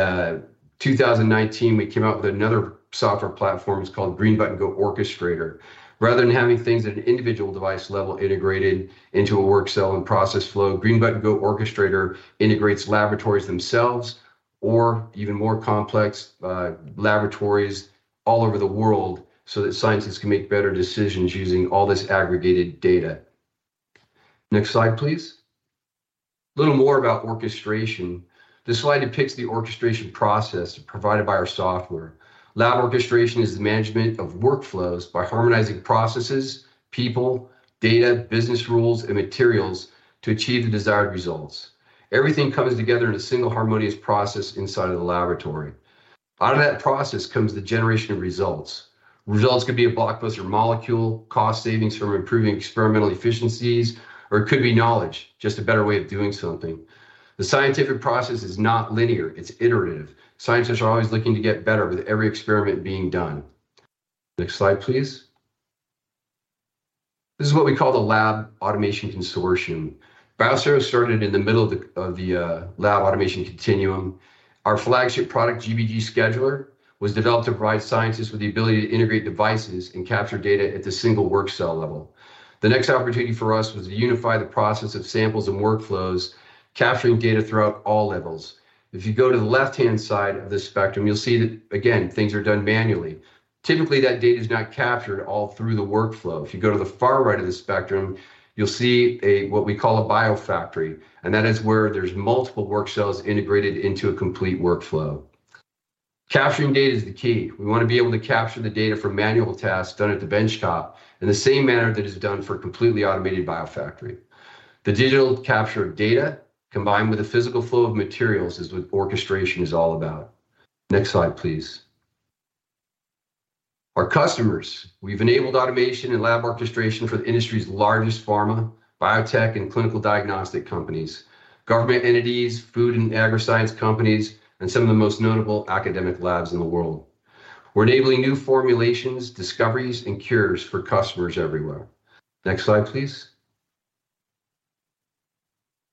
S5: 2019, we came out with another software platform. It's called Green Button Go Orchestrator. Rather than having things at an individual device level integrated into a work cell and process flow, Green Button Go Orchestrator integrates laboratories themselves or even more complex, laboratories all over the world so that scientists can make better decisions using all this aggregated data. Next slide, please. A little more about orchestration. This slide depicts the orchestration process provided by our software. Lab orchestration is the management of workflows by harmonizing processes, people, data, business rules, and materials to achieve the desired results. Everything comes together in a single harmonious process inside of the laboratory. Out of that process comes the generation of results. Results could be a blockbuster molecule, cost savings from improving experimental efficiencies, or it could be knowledge, just a better way of doing something. The scientific process is not linear, it's iterative. Scientists are always looking to get better with every experiment being done. Next slide, please. This is what we call the lab automation consortium. Biosero started in the middle of the lab automation continuum. Our flagship product, Green Button Go Scheduler, was developed to provide scientists with the ability to integrate devices and capture data at the single work cell level. The next opportunity for us was to unify the process of samples and workflows, capturing data throughout all levels. If you go to the left-hand side of this spectrum, you'll see that again, things are done manually. Typically, that data is not captured all through the workflow. If you go to the far right of the spectrum, you'll see what we call a BioFactory, and that is where there's multiple work cells integrated into a complete workflow. Capturing data is the key. We want to be able to capture the data from manual tasks done at the bench top in the same manner that is done for a completely automated biofactory. The digital capture of data combined with the physical flow of materials is what orchestration is all about. Next slide, please. Our customers. We've enabled automation and lab orchestration for the industry's largest pharma, biotech, and clinical diagnostic companies, government entities, food and agriscience companies, and some of the most notable academic labs in the world. We're enabling new formulations, discoveries, and cures for customers everywhere. Next slide, please.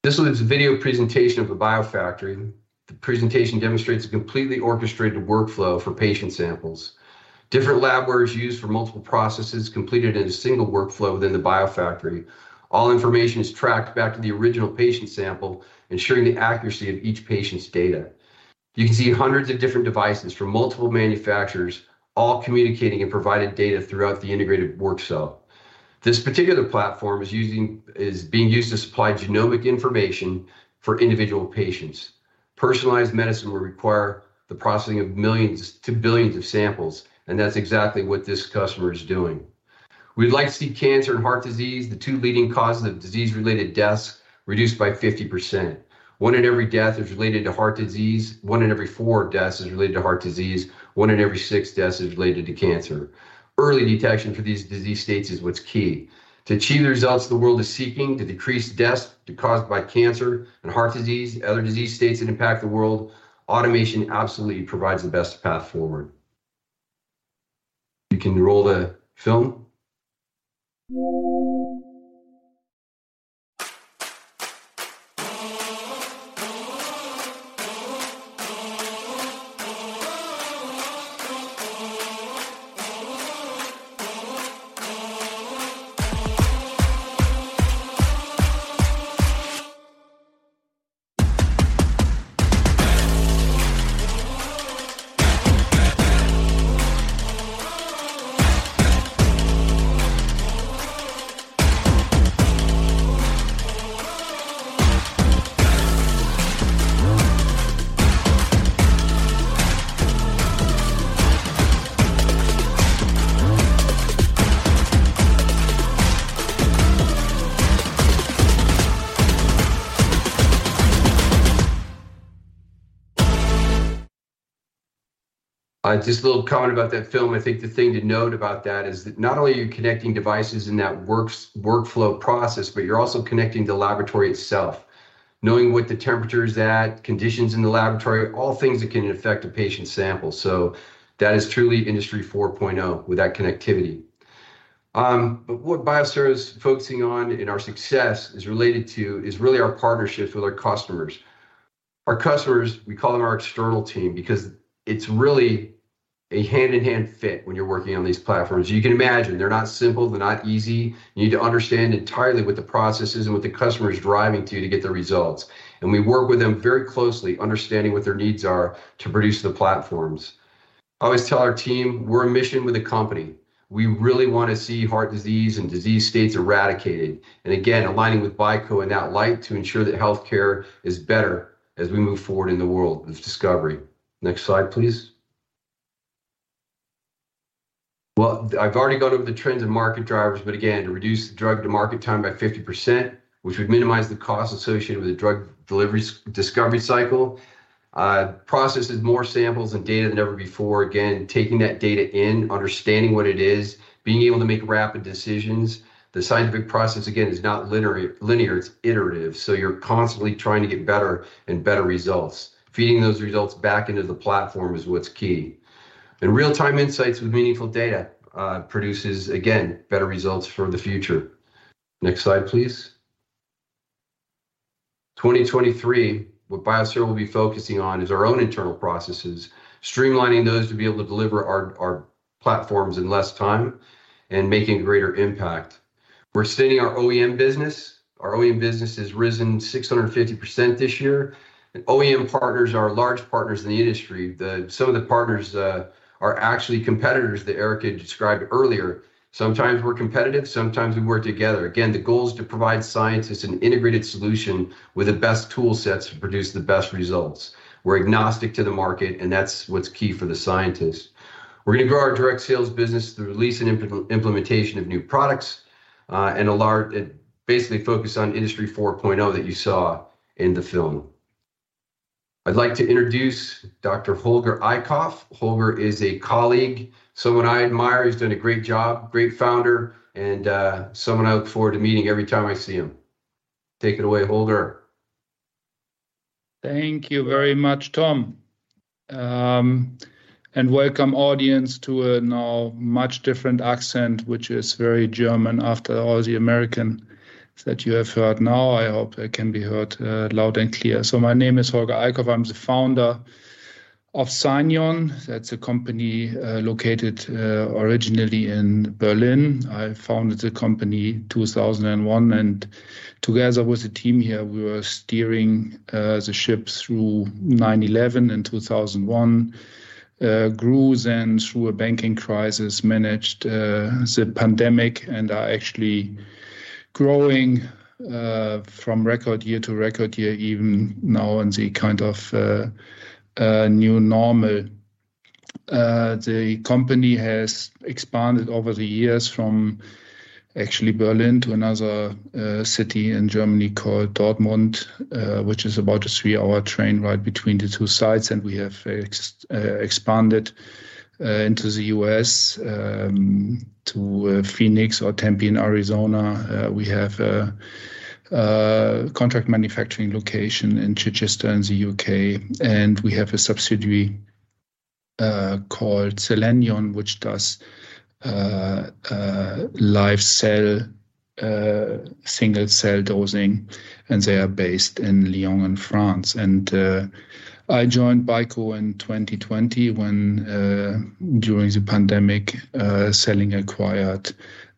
S5: This is a video presentation of the biofactory. The presentation demonstrates a completely orchestrated workflow for patient samples. Different labware is used for multiple processes completed in a single workflow within the biofactory. All information is tracked back to the original patient sample, ensuring the accuracy of each patient's data. You can see hundreds of different devices from multiple manufacturers all communicating and providing data throughout the integrated work cell. This particular platform is being used to supply genomic information for individual patients. Personalized medicine will require the processing of millions to billions of samples, and that's exactly what this customer is doing. We'd like to see cancer and heart disease, the two leading causes of disease-related deaths, reduced by 50%. One in every four deaths is related to heart disease. One in every six deaths is related to cancer. Early detection for these disease states is what's key. To achieve the results the world is seeking, to decrease deaths caused by cancer and heart disease, other disease states that impact the world, automation absolutely provides the best path forward. You can roll the film. Just a little comment about that film. I think the thing to note about that is that not only are you connecting devices in that workflow process, but you're also connecting the laboratory itself. Knowing what the temperature is at, conditions in the laboratory, all things that can affect a patient's sample. That is truly Industry 4.0 with that connectivity. What Biosero is focusing on in our success is related to is really our partnership with our customers. Our customers, we call them our external team because it's really a hand-in-hand fit when you're working on these platforms. You can imagine they're not simple. They're not easy. You need to understand entirely what the process is and what the customer is driving to get the results. We work with them very closely, understanding what their needs are to produce the platforms. I always tell our team we're a mission with a company. We really want to see heart disease and disease states eradicated, and again, aligning with BICO in that light to ensure that healthcare is better as we move forward in the world of discovery. Next slide, please. Well, I've already gone over the trends and market drivers, but again, to reduce the drug to market time by 50%, which would minimize the cost associated with the drug delivery discovery cycle. Processes more samples and data than ever before. Again, taking that data in, understanding what it is, being able to make rapid decisions. The scientific process, again, is not linear, it's iterative, so you're constantly trying to get better and better results. Feeding those results back into the platform is what's key. Real-time insights with meaningful data produces, again, better results for the future. Next slide, please. 2023, what Biosero will be focusing on is our own internal processes, streamlining those to be able to deliver our platforms in less time and making greater impact. We're extending our OEM business. Our OEM business has risen 650% this year, and OEM partners are large partners in the industry. Some of the partners are actually competitors that Erik had described earlier. Sometimes we're competitive, sometimes we work together. Again, the goal is to provide scientists an integrated solution with the best tool sets to produce the best results. We're agnostic to the market, and that's what's key for the scientists. We're gonna grow our direct sales business through release and implementation of new products, and basically focus on Industry 4.0 that you saw in the film. I'd like to introduce Dr. Holger Eickhoff. Holger is a colleague, someone I admire. He's done a great job, great founder, and someone I look forward to meeting every time I see him. Take it away, Holger.
S6: Thank you very much, Tom. And welcome audience to a now much different accent, which is very German after all the American that you have heard. Now, I hope I can be heard loud and clear. My name is Holger Eickhoff. I'm the founder of Scienion. That's a company located originally in Berlin. I founded the company 2001, and together with the team here, we were steering the ship through 9/11 and 2001, grew then through a banking crisis, managed the pandemic and are actually growing from record year to record year even now in the kind of new normal. The company has expanded over the years from actually Berlin to another city in Germany called Dortmund, which is about a three-hour train ride between the two sites, and we have expanded into the U.S. To Phoenix or Tempe in Arizona. We have a contract manufacturing location in Chichester in the U.K., and we have a subsidiary called Cellenion, which does live cell single-cell dosing, and they are based in Lyon in France. I joined BICO in 2020 when during the pandemic CELLINK acquired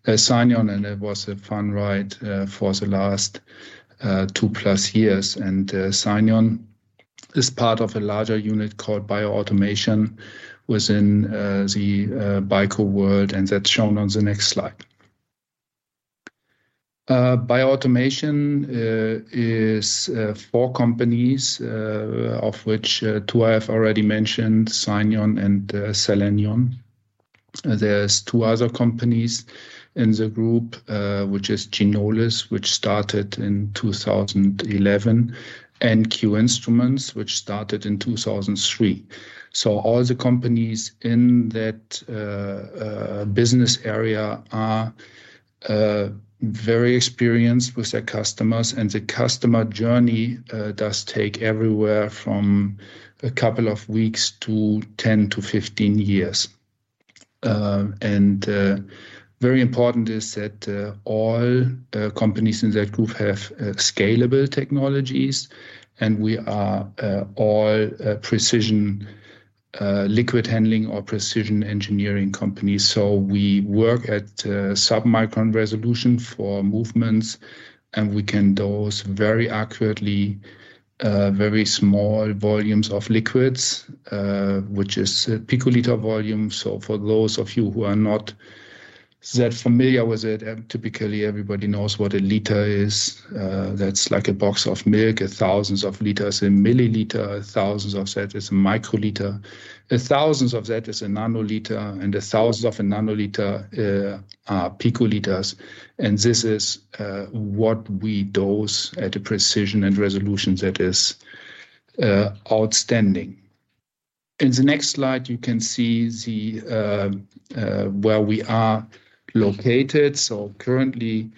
S6: Scienion, and it was a fun ride for the last 2+ years. Scienion is part of a larger unit called Bioautomation within the BICO world, and that's shown on the next slide. Bioautomation is four companies, of which two I have already mentioned, Scienion and Cellenion. There are two other companies in the group, which is Ginolis, which started in 2011, and Q Instruments, which started in 2003. All the companies in that business area are very experienced with their customers, and the customer journey does take everywhere from a couple of weeks to 10-15 years. Very important is that all companies in that group have scalable technologies, and we are all precision liquid handling or precision engineering companies. We work at submicron resolution for movements, and we can dose very accurately very small volumes of liquids, which is picoliter volume. For those of you who are not that familiar with it, typically everybody knows what a liter is. That's like a box of milk. Thousands of liters, a milliliter, thousands of that is a microliter. Thousands of that is a nanoliter, and thousands of a nanoliter are picoliters. This is what we dose at a precision and resolution that is outstanding. In the next slide, you can see where we are located. Currently,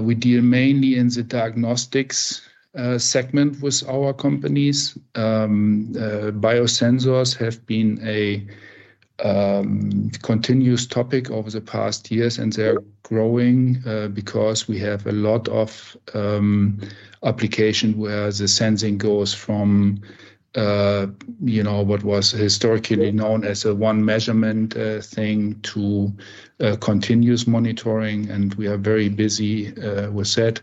S6: we deal mainly in the diagnostics segment with our companies. Biosensors have been a continuous topic over the past years, and they're growing because we have a lot of application where the sensing goes from, you know, what was historically known as a one measurement thing to continuous monitoring, and we are very busy with that.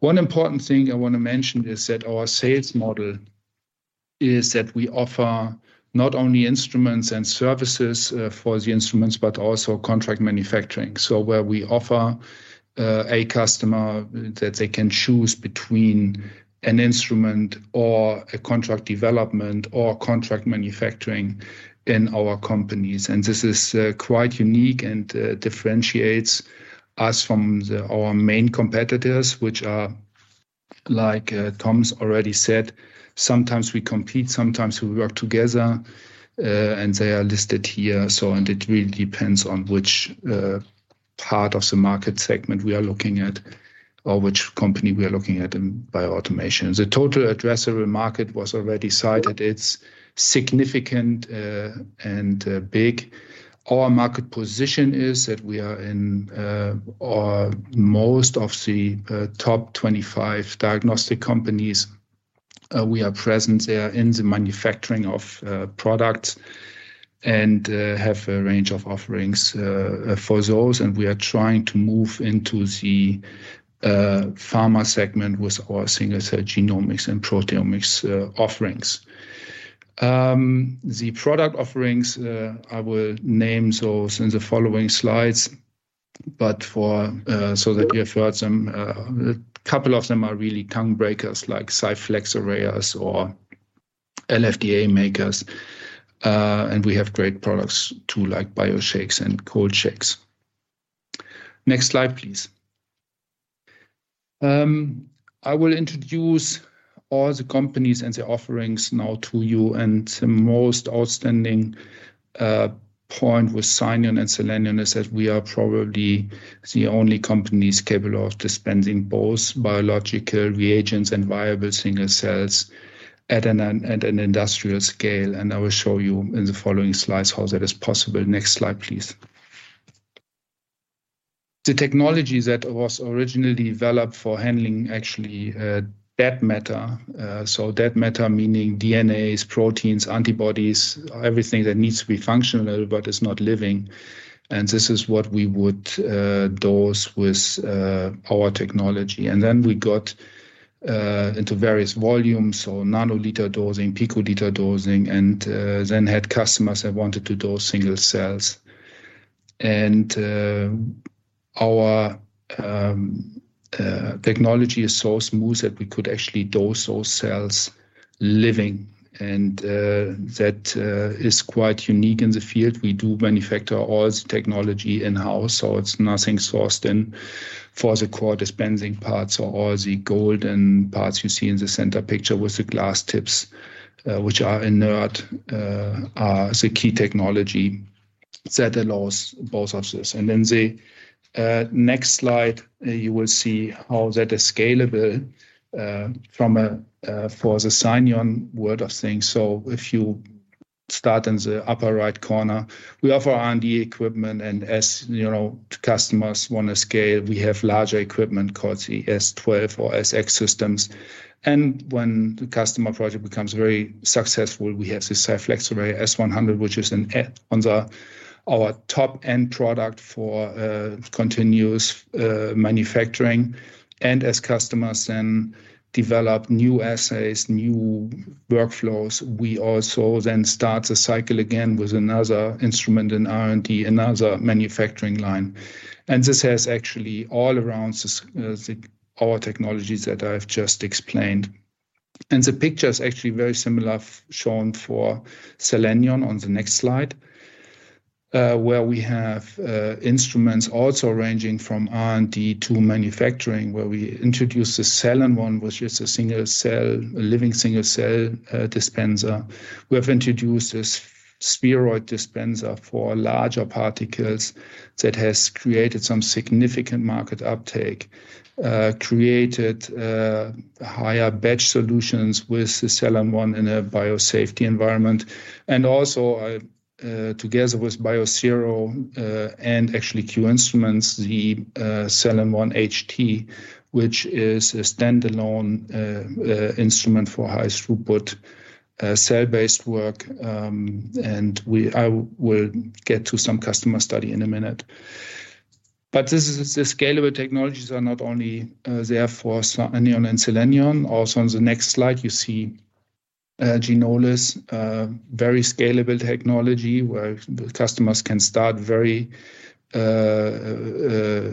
S6: One important thing I wanna mention is that our sales model is that we offer not only instruments and services for the instruments, but also contract manufacturing. Where we offer a customer that they can choose between an instrument or a contract development or contract manufacturing in our companies, and this is quite unique and differentiates us from our main competitors, which are, like, Thomas already said, sometimes we compete, sometimes we work together, and they are listed here. It really depends on which part of the market segment we are looking at or which company we are looking at in Bioautomation. The total addressable market was already cited. It's significant and big. Our market position is that we are in most of the top 25 diagnostic companies, we are present there in the manufacturing of products and have a range of offerings for those, and we are trying to move into the pharma segment with our single-cell genomics and proteomics offerings. The product offerings I will name those in the following slides, but so that you have heard some, a couple of them are really tongue breakers like sciFLEXARRAYER or LFDA makers. We have great products too, like BioShakes and ColdShakes. Next slide, please. I will introduce all the companies and the offerings now to you, and the most outstanding point with Scienion and Cellenion is that we are probably the only companies capable of dispensing both biological reagents and viable single cells at an industrial scale. I will show you in the following slides how that is possible. Next slide, please. The technology that was originally developed for handling actually dead matter, so dead matter meaning DNAs, proteins, antibodies, everything that needs to be functional but is not living, and this is what we would dose with our technology. Then we got into various volumes or nanoliter dosing, picoliter dosing, and then had customers that wanted to dose single cells. Our technology is so smooth that we could actually dose those cells living and that is quite unique in the field. We do manufacture all the technology in-house, so it's nothing sourced in for the core dispensing parts or all the golden parts you see in the center picture with the glass tips, which are inert, are the key technology that allows both of those. The next slide, you will see how that is scalable from R&D for the Scienion world of things. If you start in the upper right corner, we offer R&D equipment and as you know, customers want to scale, we have larger equipment called the S12 or SX systems. When the customer project becomes very successful, we have the sciFLEXARRAYER S100, which is our top-end product for continuous manufacturing. As customers then develop new assays, new workflows, we also then start the cycle again with another instrument in R&D, another manufacturing line. This has actually all around Scienion our technologies that I've just explained. The picture is actually very similar shown for Cellenion on the next slide, where we have instruments also ranging from R&D to manufacturing, where we introduced the cellenONE, which is a single cell living single cell dispenser. We have introduced a spheroid dispenser for larger particles that has created some significant market uptake, higher batch solutions with the cellenONE in a biosafety environment. also, together with Biosero, and actually Q Instruments, the cellenONE HT, which is a standalone instrument for high throughput cell-based work, and I will get to some customer study in a minute. This is, the scalable technologies are not only there for CYTENA and Cellenion. Also on the next slide, you see, Ginolis, very scalable technology where the customers can start very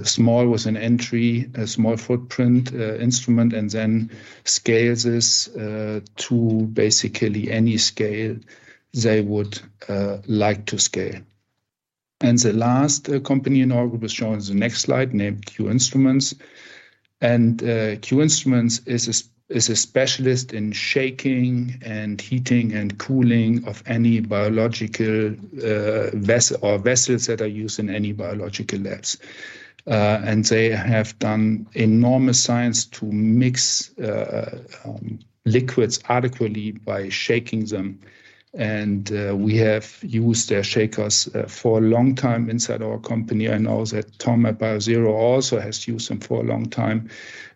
S6: small with an entry, a small footprint instrument, and then scale this to basically any scale they would like to scale. The last company in our group is shown in the next slide, named Q Instruments. Q Instruments is a specialist in shaking and heating and cooling of any biological vessels that are used in any biological labs. They have done enormous science to mix liquids adequately by shaking them, and we have used their shakers for a long time inside our company. I know that Tom at Biosero also has used them for a long time.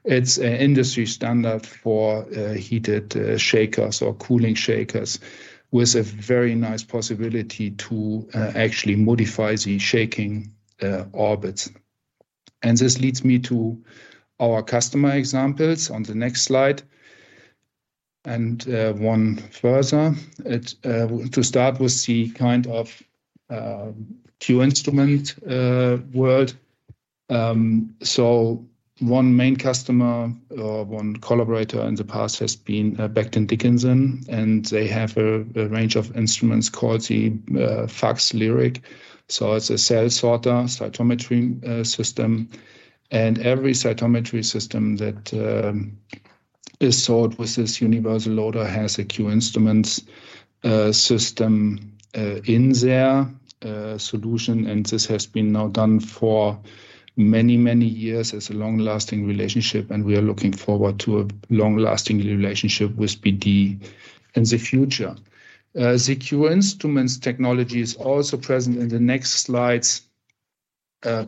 S6: It's an industry standard for heated shakers or cooling shakers with a very nice possibility to actually modify the shaking orbits. This leads me to our customer examples on the next slide, and one further. To start with the kind of Q Instruments world. One main customer or one collaborator in the past has been Becton Dickinson, and they have a range of instruments called the FACSLyric. It's a cell sorter cytometry system. Every cytometry system that is sold with this universal loader has a Q Instruments system in their solution. This has been now done for many years as a long-lasting relationship, and we are looking forward to a long-lasting relationship with BD in the future. The Q Instruments technology is also present in the next slide's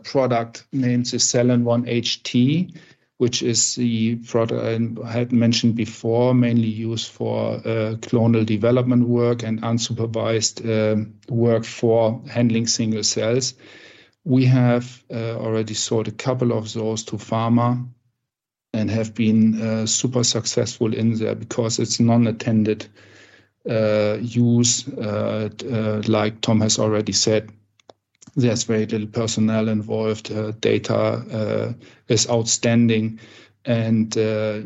S6: product, named the cellenONE HT, which is the product I had mentioned before, mainly used for clonal development work and unsupervised work for handling single cells. We have already sold a couple of those to pharma and have been super successful in there because it's non-attended use. Like Tom has already said, there's very little personnel involved, data is outstanding and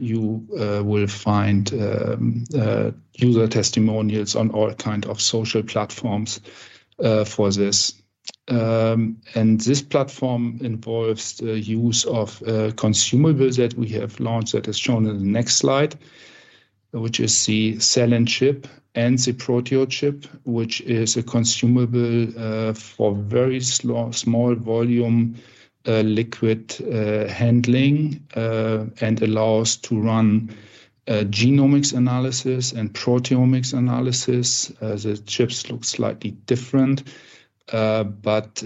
S6: you will find user testimonials on all kind of social platforms for this. This platform involves the use of consumables that we have launched that is shown in the next slide, which is the cellenCHIP and the proteoCHIP, which is a consumable for small volume liquid handling and allows to run a genomics analysis and proteomics analysis. The chips look slightly different, but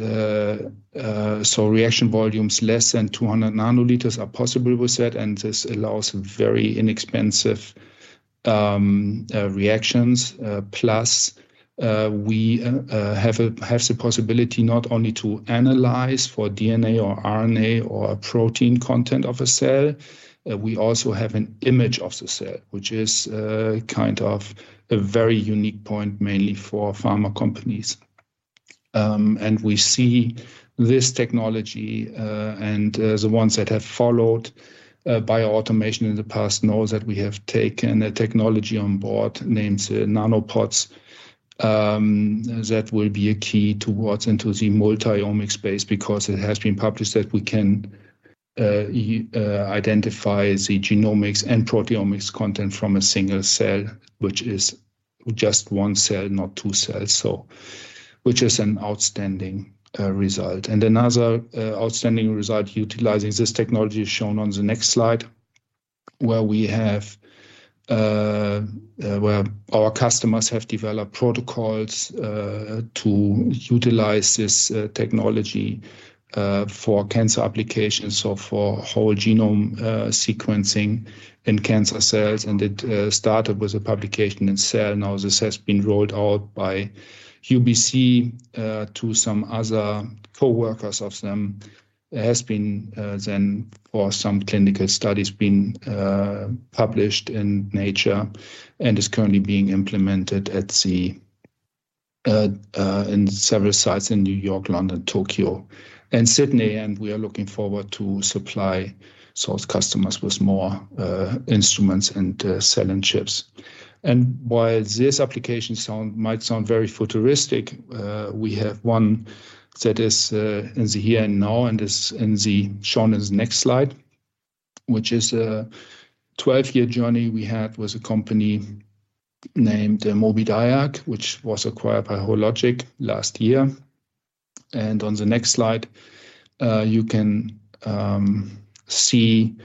S6: so reaction volume's less than 200 nanoliters are possible with that, and this allows very inexpensive reactions. Plus, we have the possibility not only to analyze for DNA or RNA or protein content of a cell, we also have an image of the cell, which is kind of a very unique point, mainly for pharma companies. We see this technology, and the ones that have followed Bioautomation in the past know that we have taken a technology on board named nanoPOTS, that will be a key towards into the multi-omics space because it has been published that we can identify the genomics and proteomics content from a single cell, which is just one cell, not two cells. Which is an outstanding result. Another outstanding result utilizing this technology is shown on the next slide, where our customers have developed protocols to utilize this technology for cancer applications, so for whole genome sequencing in cancer cells. It started with a publication in Cell. Now, this has been rolled out by UBC to some other coworkers of them. It has then for some clinical studies been published in Nature and is currently being implemented in several sites in New York, London, Tokyo, and Sydney. We are looking forward to supply those customers with more instruments and cellenCHIP. While this application might sound very futuristic, we have one that is in the here and now, and is shown in the next slide, which is a 12-year journey we had with a company named Mobidiag, which was acquired by Hologic last year. On the next slide, you can see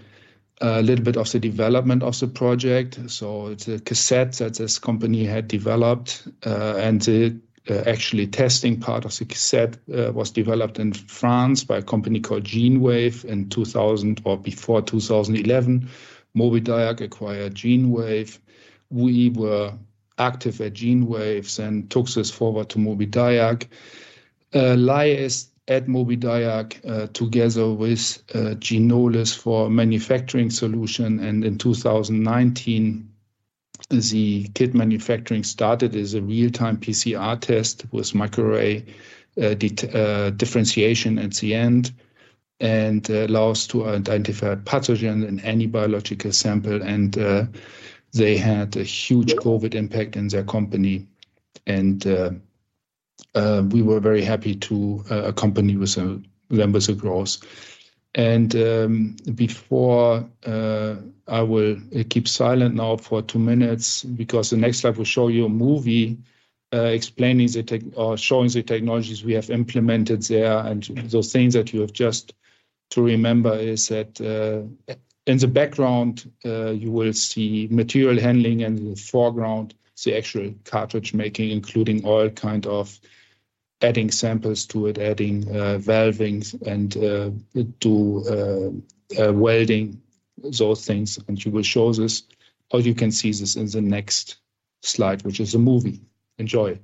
S6: a little bit of the development of the project. It's a cassette that this company had developed, and the actually testing part of the cassette was developed in France by a company called Genewave in 2000 or before 2011. Mobidiag acquired Genewave. We were active at Genewave and took this forward to Mobidiag. Novodiag at Mobidiag, together with Ginolis for manufacturing solution, and in 2019, the kit manufacturing started as a real-time PCR test with microarray, differentiation at the end, and allows to identify a pathogen in any biological sample. We were very happy to accompany them with the growth. Before I will keep silent now for 2 minutes because the next slide will show you a movie explaining or showing the technologies we have implemented there. Those things that you have just to remember is that, in the background, you will see material handling, and in the foreground, the actual cartridge making, including all kind of adding samples to it, adding valving and to welding those things. We will show this, or you can see this in the next slide, which is a movie. Enjoy.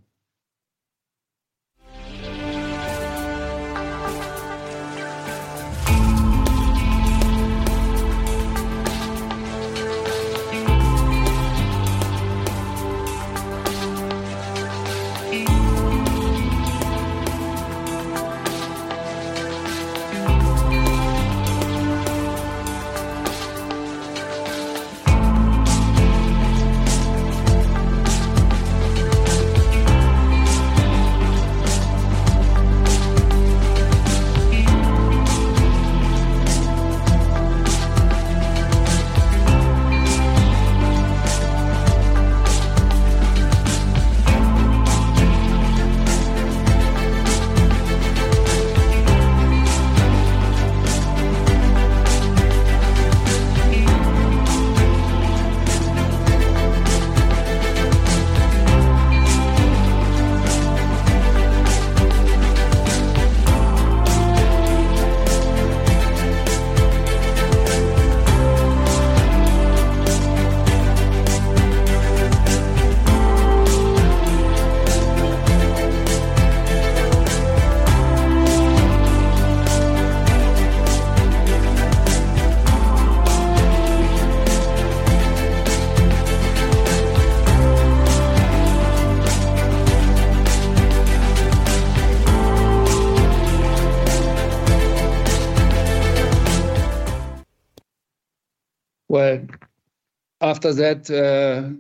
S6: Well, after that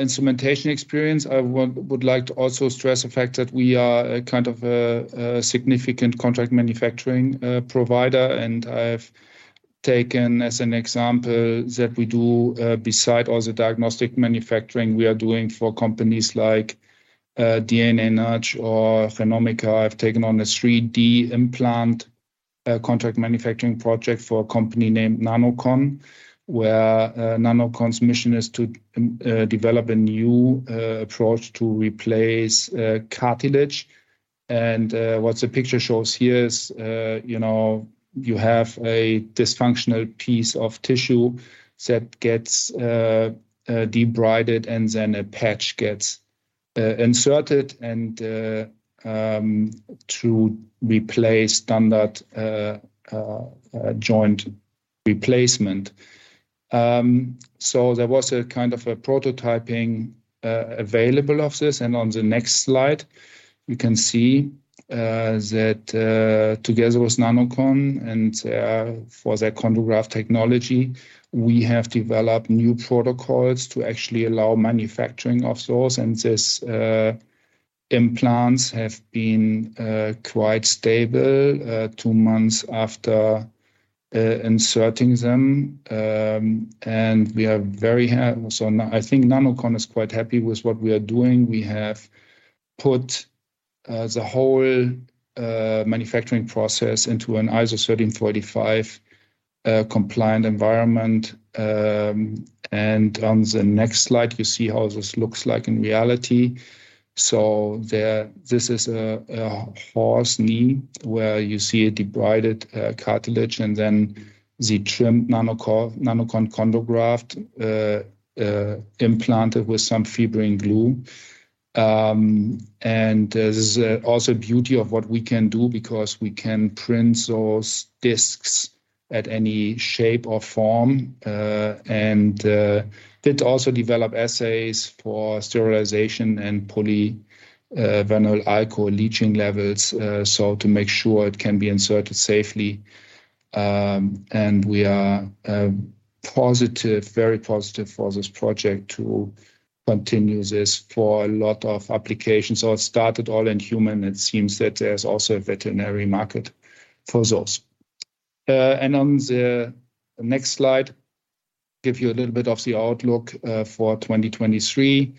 S6: instrumentation experience, I would like to also stress the fact that we are a kind of a significant contract manufacturing provider. I've taken as an example that we do, beside all the diagnostic manufacturing we are doing for companies like DnaNudge or Phenomenex, I've taken on a 3D implant contract manufacturing project for a company named Nanochon, where Nanochon's mission is to develop a new approach to replace cartilage. What the picture shows here is, you know, you have a dysfunctional piece of tissue that gets debrided, and then a patch gets inserted to replace standard joint replacement. There was a kind of a prototyping available of this. On the next slide you can see that, together with Nanochon and for their ChondroGraft technology, we have developed new protocols to actually allow manufacturing of those. These implants have been quite stable two months after inserting them. I think Nanochon is quite happy with what we are doing. We have put the whole manufacturing process into an ISO 13485 compliant environment. On the next slide you see how this looks like in reality. This is a horse knee where you see a debrided cartilage, and then the trimmed Nanochon chondrograft implanted with some fibrin glue. This is also beauty of what we can do because we can print those discs at any shape or form. Did also develop assays for sterilization and poly vinyl alcohol leaching levels so to make sure it can be inserted safely. We are positive, very positive for this project to continue this for a lot of applications. It started all in human. It seems that there's also a veterinary market for those. On the next slide, give you a little bit of the outlook for 2023.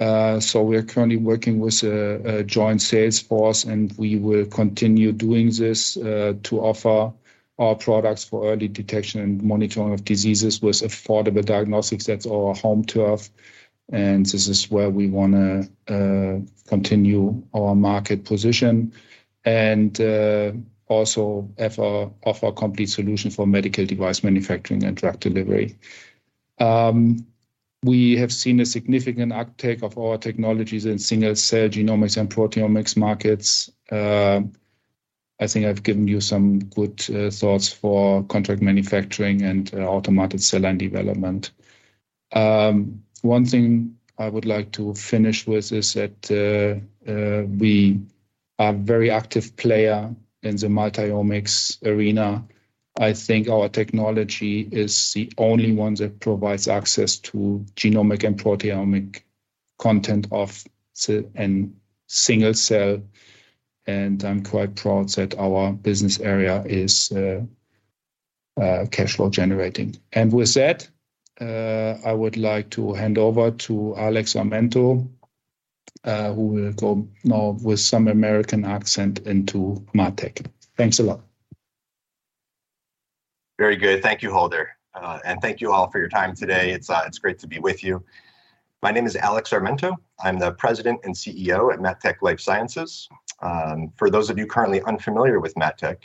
S6: We are currently working with a joint sales force, and we will continue doing this to offer our products for early detection and monitoring of diseases with affordable diagnostics. That's our home turf, and this is where we wanna continue our market position and also offer a complete solution for medical device manufacturing and drug delivery. We have seen a significant uptake of our technologies in single-cell genomics and proteomics markets. I think I've given you some good thoughts for contract manufacturing and automated cell line development. One thing I would like to finish with is that we are very active player in the multi-omics arena. I think our technology is the only one that provides access to genomic and proteomic content of single cell. I'm quite proud that our business area is cash flow generating. With that, I would like to hand over to Alex Armento, who will go now with some American accent into MatTek. Thanks a lot.
S7: Very good. Thank you, Holger. And thank you all for your time today. It's great to be with you. My name is Alex Armento. I'm the President and CEO at MatTek Life Sciences. For those of you currently unfamiliar with MatTek,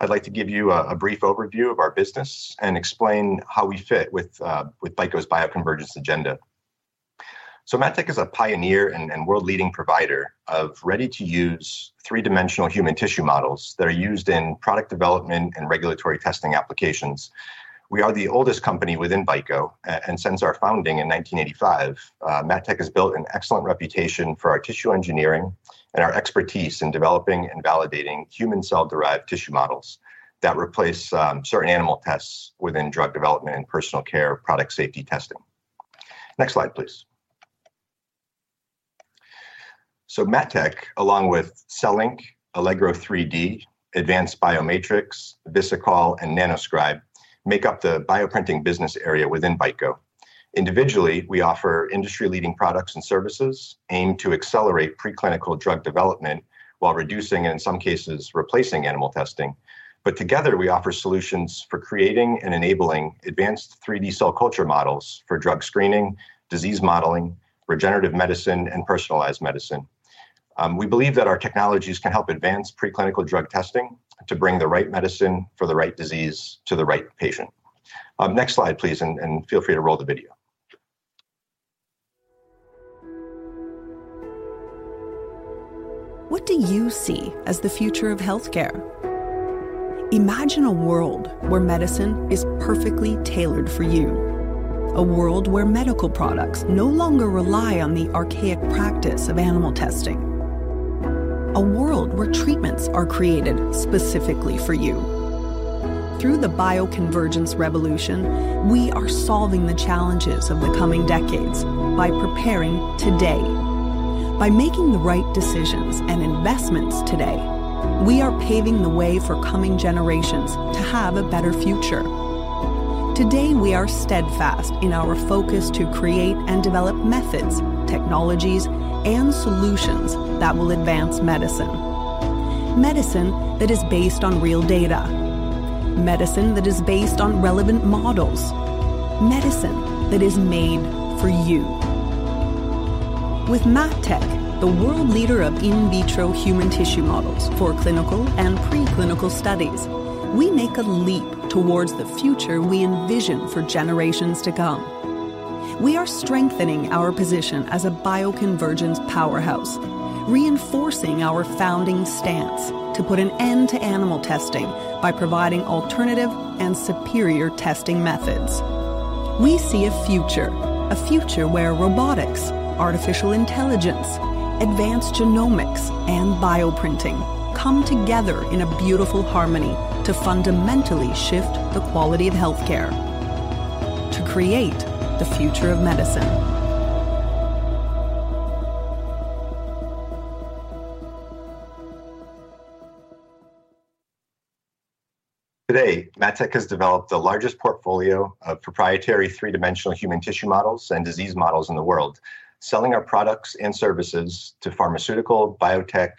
S7: I'd like to give you a brief overview of our business and explain how we fit with BICO's bioconvergence agenda. MatTek is a pioneer and world leading provider of ready-to-use three-dimensional human tissue models that are used in product development and regulatory testing applications. We are the oldest company within BICO, and since our founding in 1985, MatTek has built an excellent reputation for our tissue engineering and our expertise in developing and validating human cell-derived tissue models that replace certain animal tests within drug development and personal care product safety testing. Next slide, please. MatTek, along with Allegro 3D, advanced BioMatrix, Visikol, and Nanoscribe make up the bioprinting business area within BICO. Individually, we offer industry-leading products and services aimed to accelerate preclinical drug development while reducing, and in some cases, replacing animal testing. Together, we offer solutions for creating and enabling advanced 3D cell culture models for drug screening, disease modeling, regenerative medicine, and personalized medicine. We believe that our technologies can help advance preclinical drug testing to bring the right medicine for the right disease to the right patient. Next slide, please, and feel free to roll the video.
S1: What do you see as the future of healthcare? Imagine a world where medicine is perfectly tailored for you. A world where medical products no longer rely on the archaic practice of animal testing. A world where treatments are created specifically for you. Through the bioconvergence revolution, we are solving the challenges of the coming decades by preparing today. By making the right decisions and investments today, we are paving the way for coming generations to have a better future. Today, we are steadfast in our focus to create and develop methods, technologies, and solutions that will advance medicine. Medicine that is based on real data, medicine that is based on relevant models, medicine that is made for you. With MatTek, the world leader of in vitro human tissue models for clinical and preclinical studies, we make a leap towards the future we envision for generations to come. We are strengthening our position as a bioconvergence powerhouse, reinforcing our founding stance to put an end to animal testing by providing alternative and superior testing methods. We see a future, a future where robotics, artificial intelligence, advanced genomics, and bioprinting come together in a beautiful harmony to fundamentally shift the quality of healthcare to create the future of medicine.
S7: Today, MatTek has developed the largest portfolio of proprietary three-dimensional human tissue models and disease models in the world, selling our products and services to pharmaceutical, biotech,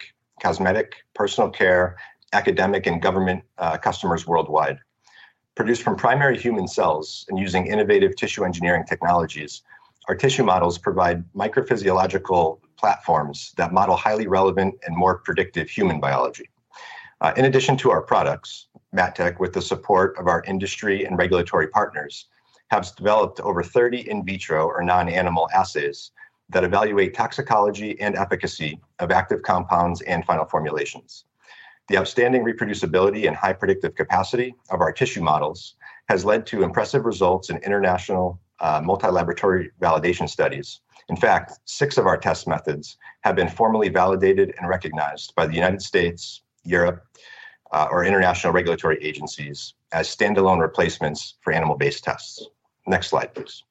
S7: cosmetic, personal care, academic, and government customers worldwide. Produced from primary human cells and using innovative tissue engineering technologies, our tissue models provide microphysiological platforms that model highly relevant and more predictive human biology. In addition to our products, MatTek, with the support of our industry and regulatory partners, has developed over 30 in vitro or non-animal assays that evaluate toxicology and efficacy of active compounds and final formulations. The outstanding reproducibility and high predictive capacity of our tissue models has led to impressive results in international multi-laboratory validation studies. In fact, 6 of our test methods have been formally validated and recognized by the United States, Europe or international regulatory agencies as standalone replacements for animal-based tests. Next slide, please.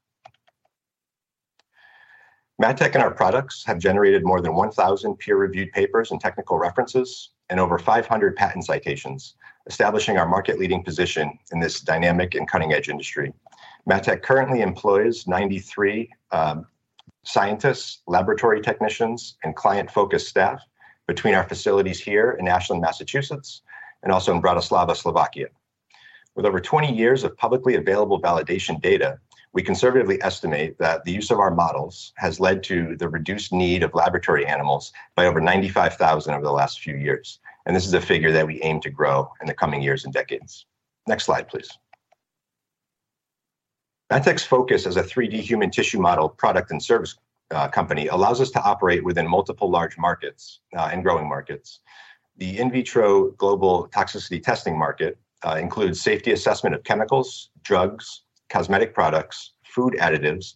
S7: MatTek and our products have generated more than 1,000 peer-reviewed papers and technical references and over 500 patent citations, establishing our market-leading position in this dynamic and cutting-edge industry. MatTek currently employs 93 scientists, laboratory technicians, and client-focused staff between our facilities here in Ashland, Massachusetts, and also in Bratislava, Slovakia. With over 20 years of publicly available validation data, we conservatively estimate that the use of our models has led to the reduced need of laboratory animals by over 95,000 over the last few years, and this is a figure that we aim to grow in the coming years and decades. Next slide, please. MatTek's focus as a 3D human tissue model product and service company allows us to operate within multiple large markets and growing markets. The in vitro global toxicity testing market includes safety assessment of chemicals, drugs, cosmetic products, food additives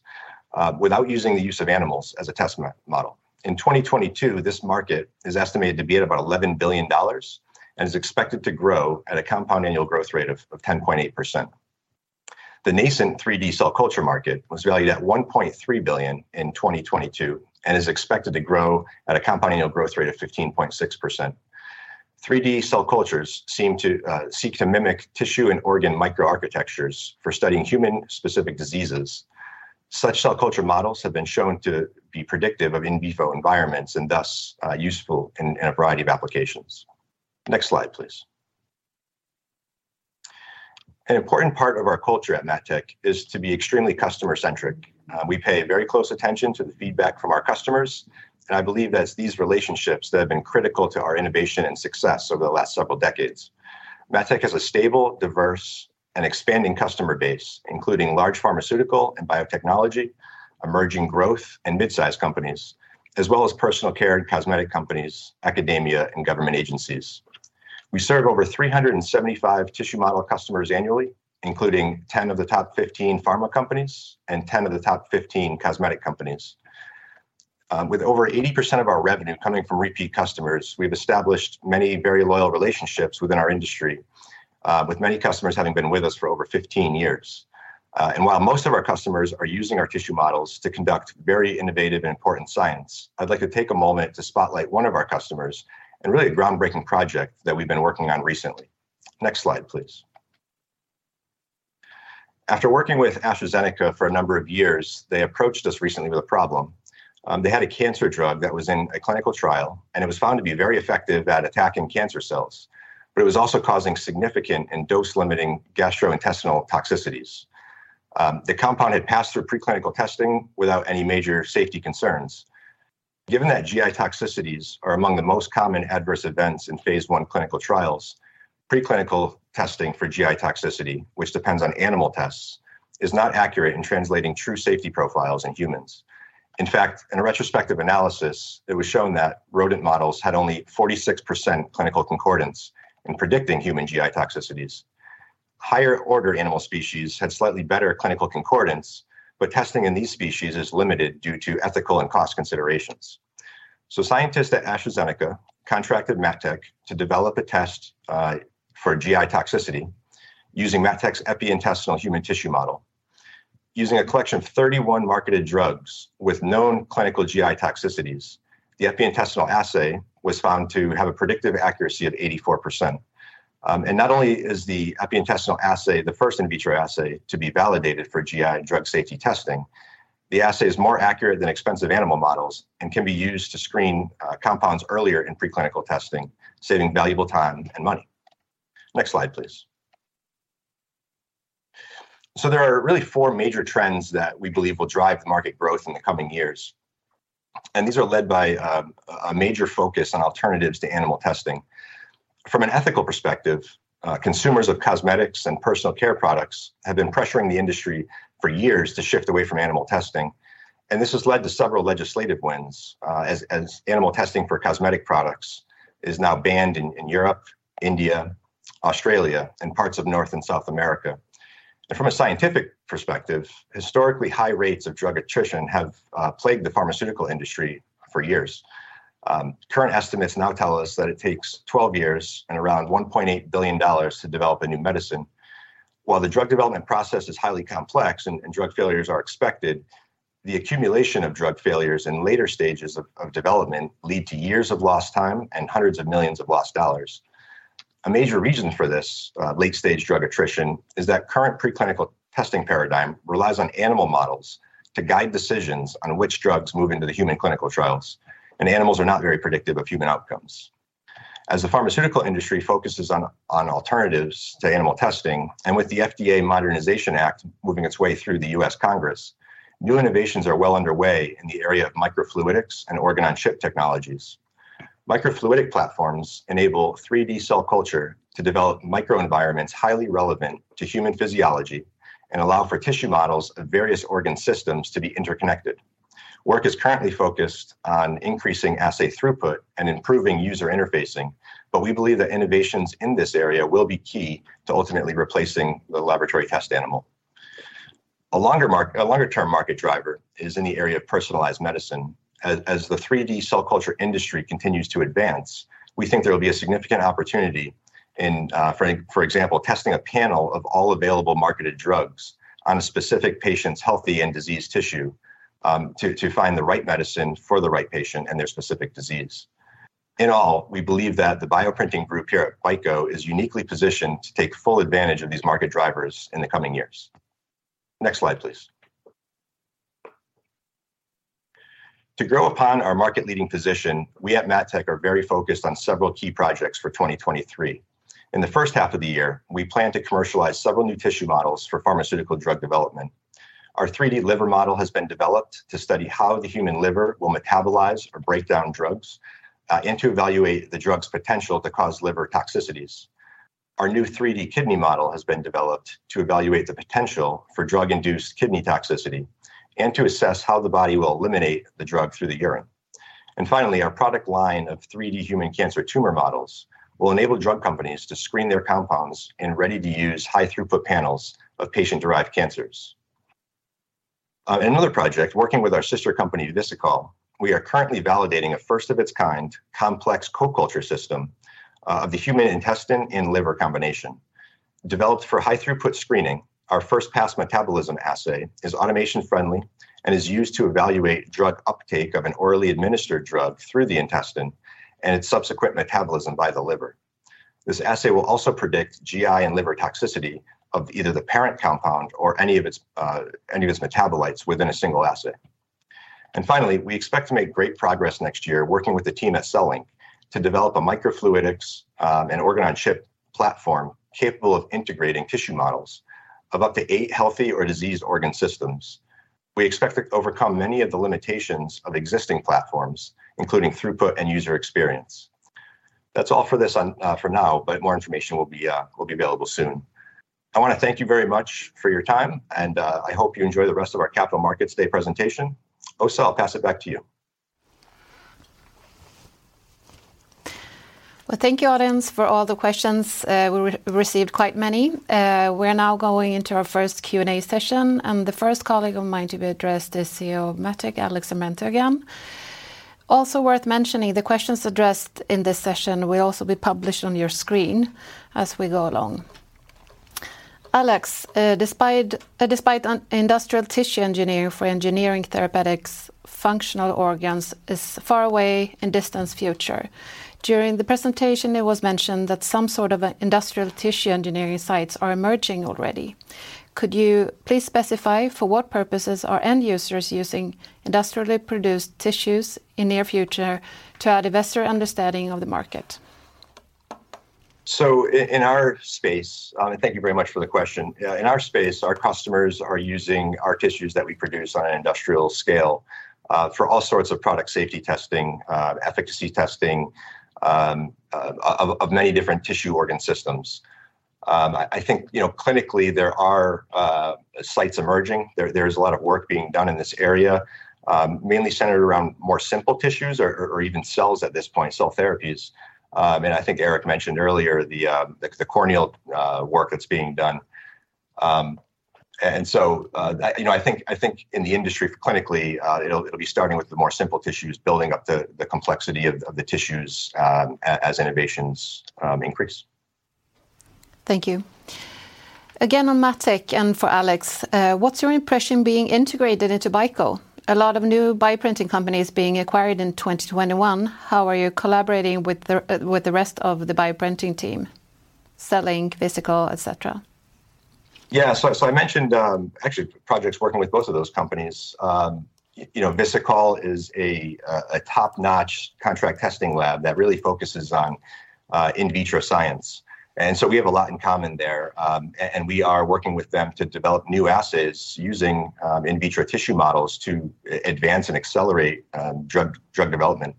S7: without using the use of animals as a test model. In 2022, this market is estimated to be at about $11 billion and is expected to grow at a compound annual growth rate of 10.8%. The nascent 3D cell culture market was valued at $1.3 billion in 2022 and is expected to grow at a compound annual growth rate of 15.6%. 3D cell cultures seem to seek to mimic tissue and organ microarchitectures for studying human-specific diseases. Such cell culture models have been shown to be predictive of in vivo environments and thus useful in a variety of applications. Next slide, please. An important part of our culture at MatTek is to be extremely customer-centric. We pay very close attention to the feedback from our customers, and I believe that it's these relationships that have been critical to our innovation and success over the last several decades. MatTek has a stable, diverse, and expanding customer base, including large pharmaceutical and biotechnology, emerging growth and midsize companies, as well as personal care and cosmetic companies, academia, and government agencies. We serve over 375 tissue model customers annually, including 10 of the top 15 pharma companies and 10 of the top 15 cosmetic companies. With over 80% of our revenue coming from repeat customers, we've established many very loyal relationships within our industry, with many customers having been with us for over 15 years. While most of our customers are using our tissue models to conduct very innovative and important science, I'd like to take a moment to spotlight one of our customers and really groundbreaking project that we've been working on recently. Next slide, please. After working with AstraZeneca for a number of years, they approached us recently with a problem. They had a cancer drug that was in a clinical trial, and it was found to be very effective at attacking cancer cells, but it was also causing significant and dose-limiting gastrointestinal toxicities. The compound had passed through preclinical testing without any major safety concerns. Given that GI toxicities are among the most common adverse events in phase 1 clinical trials, preclinical testing for GI toxicity, which depends on animal tests, is not accurate in translating true safety profiles in humans. In fact, in a retrospective analysis, it was shown that rodent models had only 46% clinical concordance in predicting human GI toxicities. Higher order animal species had slightly better clinical concordance, but testing in these species is limited due to ethical and cost considerations. Scientists at AstraZeneca contracted MatTek to develop a test for GI toxicity using MatTek's EpiIntestinal human tissue model. Using a collection of 31 marketed drugs with known clinical GI toxicities, the EpiIntestinal assay was found to have a predictive accuracy of 84%. Not only is the EpiIntestinal assay the first in vitro assay to be validated for GI and drug safety testing, the assay is more accurate than expensive animal models and can be used to screen compounds earlier in preclinical testing, saving valuable time and money. Next slide, please. There are really four major trends that we believe will drive the market growth in the coming years, and these are led by a major focus on alternatives to animal testing. From an ethical perspective, consumers of cosmetics and personal care products have been pressuring the industry for years to shift away from animal testing, and this has led to several legislative wins, as animal testing for cosmetic products is now banned in Europe, India, Australia, and parts of North and South America. From a scientific perspective, historically high rates of drug attrition have plagued the pharmaceutical industry for years. Current estimates now tell us that it takes 12 years and around $1.8 billion to develop a new medicine. While the drug development process is highly complex and drug failures are expected, the accumulation of drug failures in later stages of development lead to years of lost time and hundreds of millions of lost dollars. A major reason for this late-stage drug attrition is that current preclinical testing paradigm relies on animal models to guide decisions on which drugs move into the human clinical trials, and animals are not very predictive of human outcomes. As the pharmaceutical industry focuses on alternatives to animal testing, and with the FDA Modernization Act moving its way through the U.S. Congress, new innovations are well underway in the area of microfluidics and organ-on-a-chip technologies. Microfluidic platforms enable 3D cell culture to develop microenvironments highly relevant to human physiology and allow for tissue models of various organ systems to be interconnected. Work is currently focused on increasing assay throughput and improving user interfacing, but we believe that innovations in this area will be key to ultimately replacing the laboratory test animal. A longer-term market driver is in the area of personalized medicine. The 3D cell culture industry continues to advance. We think there will be a significant opportunity in, for example, testing a panel of all available marketed drugs on a specific patient's healthy and diseased tissue, to find the right medicine for the right patient and their specific disease. In all, we believe that the bioprinting group here at BICO is uniquely positioned to take full advantage of these market drivers in the coming years. Next slide, please. To grow upon our market-leading position, we at MatTek are very focused on several key projects for 2023. In the first half of the year, we plan to commercialize several new tissue models for pharmaceutical drug development. Our 3D liver model has been developed to study how the human liver will metabolize or break down drugs, and to evaluate the drug's potential to cause liver toxicities. Our new 3D kidney model has been developed to evaluate the potential for drug-induced kidney toxicity and to assess how the body will eliminate the drug through the urine. Finally, our product line of 3D human cancer tumor models will enable drug companies to screen their compounds in ready-to-use high-throughput panels of patient-derived cancers. In another project, working with our sister company, Visikol, we are currently validating a first-of-its-kind complex co-culture system of the human intestine and liver combination. Developed for high-throughput screening, our first pass metabolism assay is automation-friendly and is used to evaluate drug uptake of an orally administered drug through the intestine and its subsequent metabolism by the liver. This assay will also predict GI and liver toxicity of either the parent compound or any of its metabolites within a single assay. Finally, we expect to make great progress next year working with the team at CELLINK to develop a microfluidics and organ-on-a-chip platform capable of integrating tissue models of up to eight healthy or diseased organ systems. We expect to overcome many of the limitations of existing platforms, including throughput and user experience. That's all for this for now, but more information will be available soon. I wanna thank you very much for your time and I hope you enjoy the rest of our Capital Markets Day presentation. Åsa, I'll pass it back to you.
S2: Well, thank you, audience, for all the questions. We received quite many. We're now going into our first Q&A session, and the first colleague of mine to be addressed is CEO of MatTek, Alex Armento again. Also worth mentioning, the questions addressed in this session will also be published on your screen as we go along. Alex, despite an industrial tissue engineering for engineering therapeutics, functional organs is far away in distant future. During the presentation, it was mentioned that some sort of industrial tissue engineering sites are emerging already. Could you please specify for what purposes are end users using industrially produced tissues in near future to add investor understanding of the market?
S7: In our space, thank you very much for the question. Yeah, in our space, our customers are using our tissues that we produce on an industrial scale, for all sorts of product safety testing, efficacy testing, of many different tissue organ systems. I think, you know, clinically there are sites emerging. There's a lot of work being done in this area, mainly centered around more simple tissues or even cells at this point, cell therapies. I think Erik mentioned earlier the corneal work that's being done. You know, I think in the industry clinically, it'll be starting with the more simple tissues building up the complexity of the tissues, as innovations increase.
S2: Thank you. Again, on MatTek and for Alex, what's your impression being integrated into BICO? A lot of new bioprinting companies being acquired in 2021. How are you collaborating with the rest of the bioprinting team, CELLINK Visikol, et cetera?
S7: I mentioned actually projects working with both of those companies. You know, Visikol is a top-notch contract testing lab that really focuses on in vitro science, and we have a lot in common there. We are working with them to develop new assays using in vitro tissue models to advance and accelerate drug development.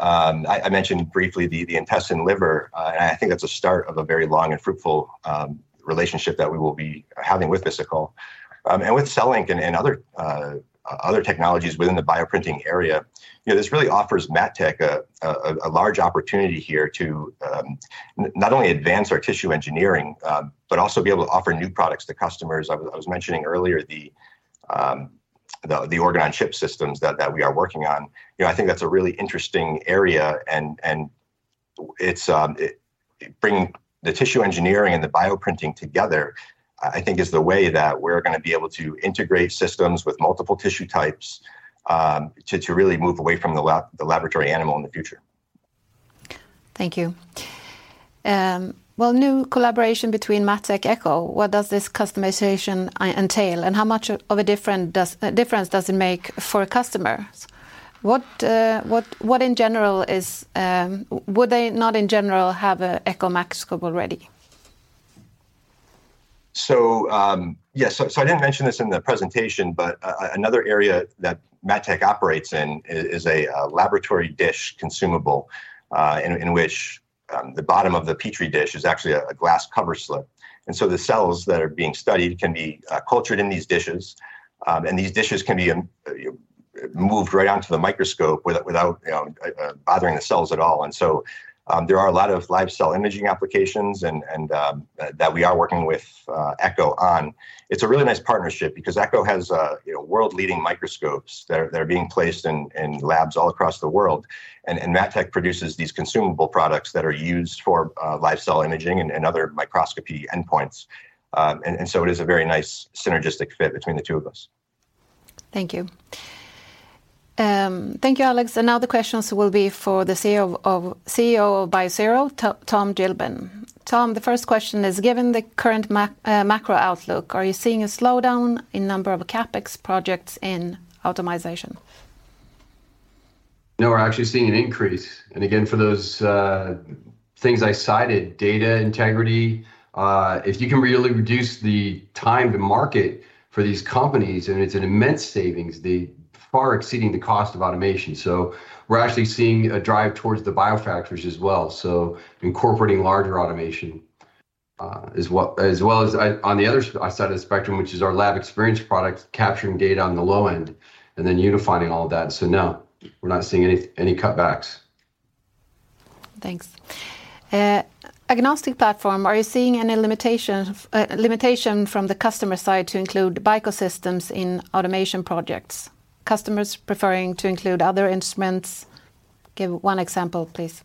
S7: I mentioned briefly the intestine liver, and I think that's a start of a very long and fruitful relationship that we will be having with Visikol. With CELLINK and other technologies within the bioprinting area, you know, this really offers MatTek a large opportunity here to not only advance our tissue engineering, but also be able to offer new products to customers. I was mentioning earlier the organ-on-a-chip systems that we are working on. You know, I think that's a really interesting area and it's bringing the tissue engineering and the bioprinting together. I think is the way that we're gonna be able to integrate systems with multiple tissue types to really move away from the laboratory animal in the future.
S2: Thank you. New collaboration between MatTek, Echo. What does this customization entail, and how much of a difference does it make for a customer? What in general is? Would they not in general have a Echo, MatTek scope already?
S7: I didn't mention this in the presentation, but another area that MatTek operates in is a laboratory dish consumable, in which the bottom of the Petri dish is actually a glass coverslip. The cells that are being studied can be cultured in these dishes. These dishes can be moved right onto the microscope without you know bothering the cells at all. There are a lot of live cell imaging applications and that we are working with Echo on. It's a really nice partnership because Echo has you know world-leading microscopes that are being placed in labs all across the world. MatTek produces these consumable products that are used for live cell imaging and other microscopy endpoints. It is a very nice synergistic fit between the two of us.
S2: Thank you, Alex. Now the questions will be for the CEO of Biosero, Tom Gilman. Tom, the first question is, given the current macro outlook, are you seeing a slowdown in number of CapEx projects in automation?
S5: No, we're actually seeing an increase. Again, for those things I cited, data integrity, if you can really reduce the time to market for these companies, and it's an immense savings that far exceeds the cost of automation. We're actually seeing a drive towards the bio factories as well, incorporating larger automation, as well as on the other side of the spectrum, which is our lab experience products, capturing data on the low end, and then unifying all that. No, we're not seeing any cutbacks.
S2: Thanks. Agnostic platform, are you seeing any limitation from the customer side to include BICO systems in automation projects, customers preferring to include other instruments? Give one example, please.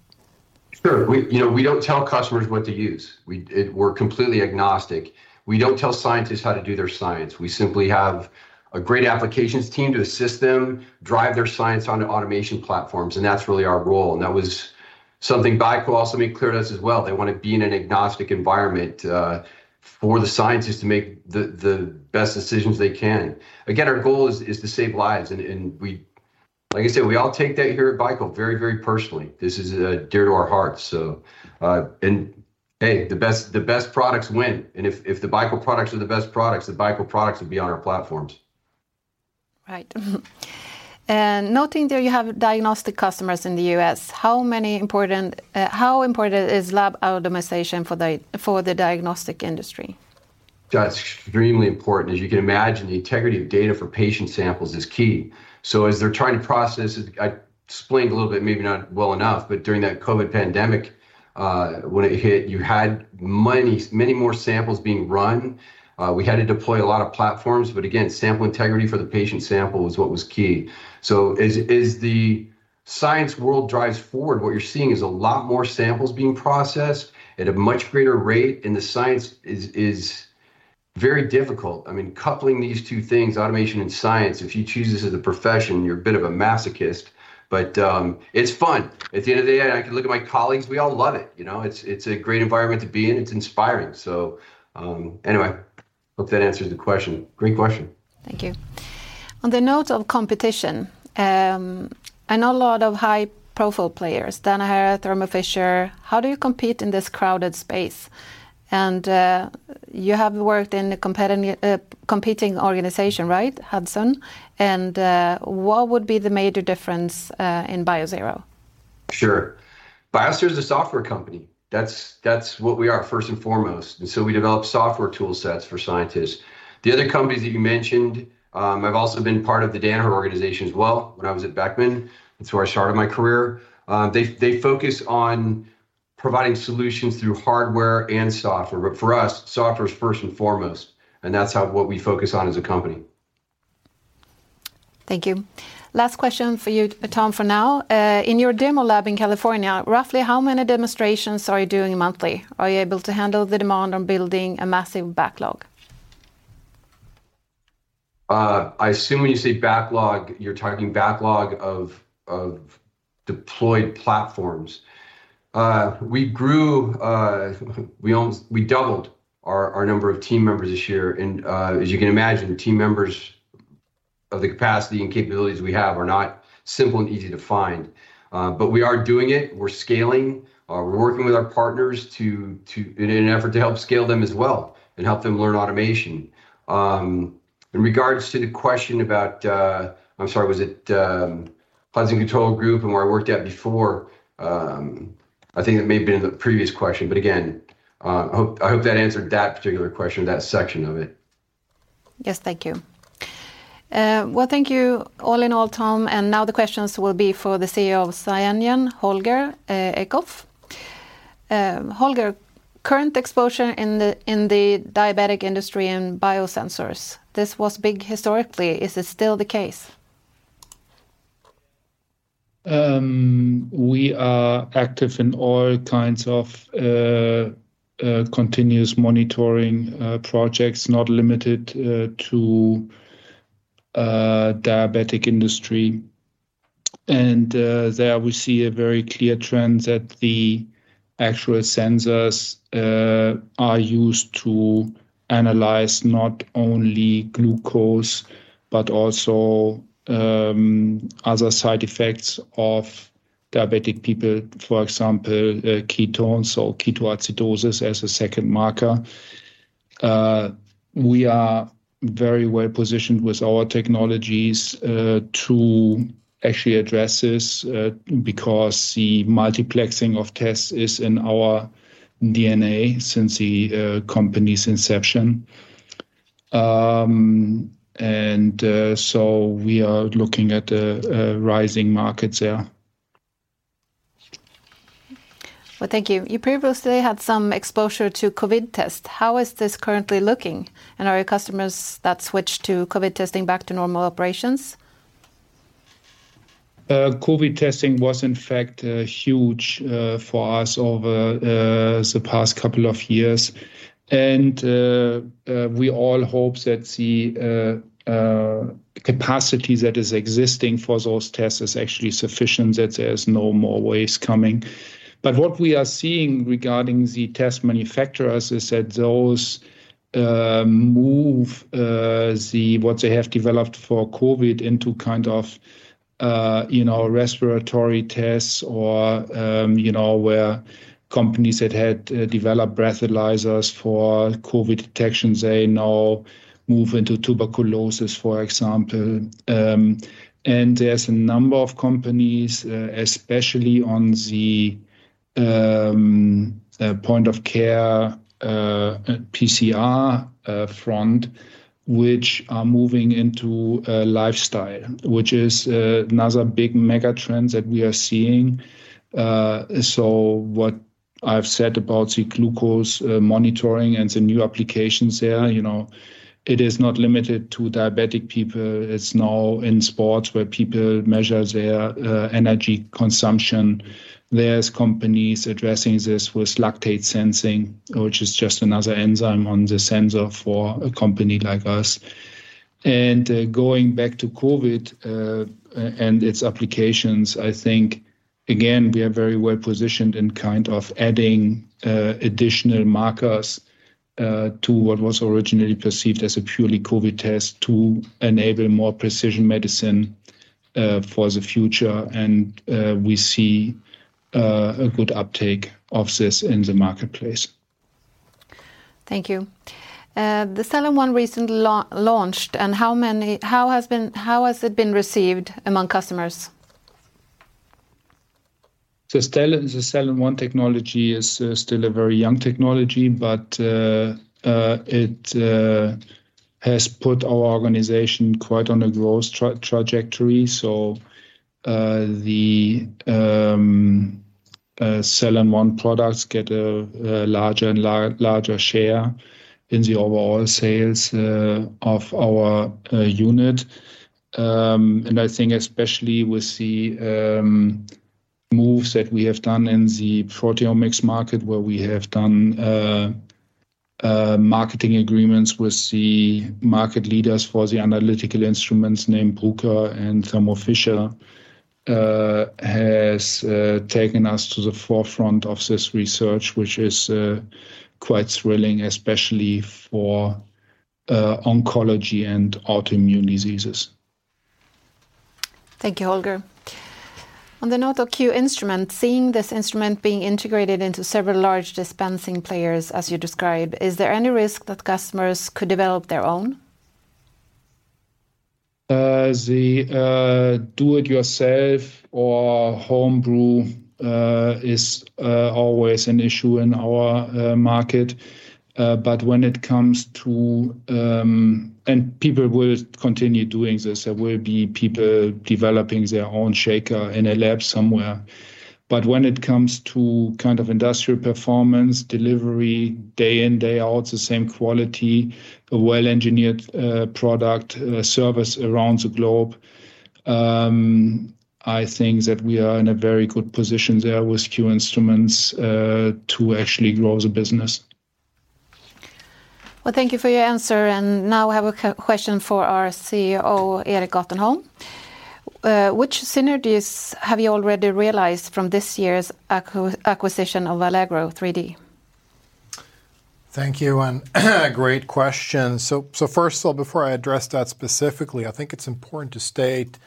S5: Sure. We, you know, we don't tell customers what to use. We're completely agnostic. We don't tell scientists how to do their science. We simply have a great applications team to assist them drive their science onto automation platforms, and that's really our role, and that was something BICO also made clear to us as well. They wanna be in an agnostic environment for the scientists to make the best decisions they can. Again, our goal is to save lives and we, like I said, we all take that here at BICO very, very personally. This is dear to our hearts. Hey, the best products win, and if the BICO products are the best products, the BICO products would be on our platforms.
S2: Right. Noting there you have diagnostic customers in the U.S., how important is lab automation for the diagnostic industry?
S5: That's extremely important. As you can imagine, the integrity of data for patient samples is key. As they're trying to process. I explained a little bit, maybe not well enough, but during that COVID pandemic, when it hit, you had many, many more samples being run. We had to deploy a lot of platforms, but again, sample integrity for the patient sample is what was key. As the science world drives forward, what you're seeing is a lot more samples being processed at a much greater rate, and the science is very difficult. I mean, coupling these two things, automation and science, if you choose this as a profession, you're a bit of a masochist, but it's fun. At the end of the day, I can look at my colleagues, we all love it, you know? It's a great environment to be in. It's inspiring. Anyway, hope that answers the question. Great question.
S2: Thank you. On the note of competition, I know a lot of high-profile players, Danaher, Thermo Fisher. How do you compete in this crowded space? You have worked in a competing organization, right, Hudson? What would be the major difference in Biosero?
S5: Sure. Biosero is a software company. That's what we are first and foremost, and so we develop software tool sets for scientists. The other companies that you mentioned, I've also been part of the Danaher organization as well when I was at Beckman Coulter. That's where I started my career. They focus on providing solutions through hardware and software. But for us, software is first and foremost, and that's what we focus on as a company.
S2: Thank you. Last question for you, Tom, for now. In your demo lab in California, roughly how many demonstrations are you doing monthly? Are you able to handle the demand on building a massive backlog?
S5: I assume when you say backlog, you're talking backlog of deployed platforms. We doubled our number of team members this year, and as you can imagine, team members of the capacity and capabilities we have are not simple and easy to find. But we are doing it. We're scaling. We're working with our partners to, in an effort to help scale them as well and help them learn automation. In regards to the question about, I'm sorry, was it, cleansing control group and where I worked at before, I think that may have been in the previous question. But again, I hope that answered that particular question or that section of it.
S2: Yes. Thank you. Well, thank you all in all, Tom, now the questions will be for the CEO of Scienion, Holger Eickhoff. Holger, current exposure in the diagnostics industry and biosensors, this was big historically. Is this still the case?
S6: We are active in all kinds of continuous monitoring projects, not limited to diabetes industry. There we see a very clear trend that the actual sensors are used to analyze not only glucose but also other side effects of diabetic people, for example, ketones or ketoacidosis as a second marker. We are very well positioned with our technologies to actually address this because the multiplexing of tests is in our DNA since the company's inception. We are looking at a rising market there.
S2: Well, thank you. You previously had some exposure to COVID test. How is this currently looking, and are your customers that switched to COVID testing back to normal operations?
S6: COVID testing was in fact huge for us over the past couple of years. We all hope that the capacity that is existing for those tests is actually sufficient, that there's no more waves coming. What we are seeing regarding the test manufacturers is that those move what they have developed for COVID into kind of you know respiratory tests or you know where companies that had developed breathalyzers for COVID detection, they now move into tuberculosis, for example. There's a number of companies especially on the point of care PCR front, which are moving into lifestyle, which is another big mega trend that we are seeing. What I've said about the glucose monitoring and the new applications there, you know, it is not limited to diabetic people. It's now in sports where people measure their energy consumption. There's companies addressing this with lactate sensing, which is just another enzyme on the sensor for a company like us. Going back to COVID and its applications, I think, again, we are very well positioned in kind of adding additional markers to what was originally perceived as a purely COVID test to enable more precision medicine for the future. We see a good uptake of this in the marketplace.
S2: Thank you. The cellenONE recently launched, and how has it been received among customers?
S6: The cellenONE technology is still a very young technology, but it has put our organization quite on a growth trajectory. The cellenONE products get a larger share in the overall sales of our unit. I think especially with the moves that we have done in the proteomics market, where we have done marketing agreements with the market leaders for the analytical instruments named Bruker and Thermo Fisher, has taken us to the forefront of this research, which is quite thrilling, especially for oncology and autoimmune diseases.
S2: Thank you, Holger. On the note of Q Instruments, seeing this instrument being integrated into several large dispensing players, as you describe, is there any risk that customers could develop their own?
S6: The do it yourself or home brew is always an issue in our market. People will continue doing this. There will be people developing their own shaker in a lab somewhere. When it comes to kind of industrial performance, delivery, day in, day out, the same quality, a well-engineered product, service around the globe, I think that we are in a very good position there with Q Instruments to actually grow the business.
S2: Well, thank you for your answer, and now I have a question for our CEO, Erik Gatenholm. Which synergies have you already realized from this year's acquisition of Allegro 3D?
S3: Thank you, great question. First of all, before I address that specifically, I think it's important to state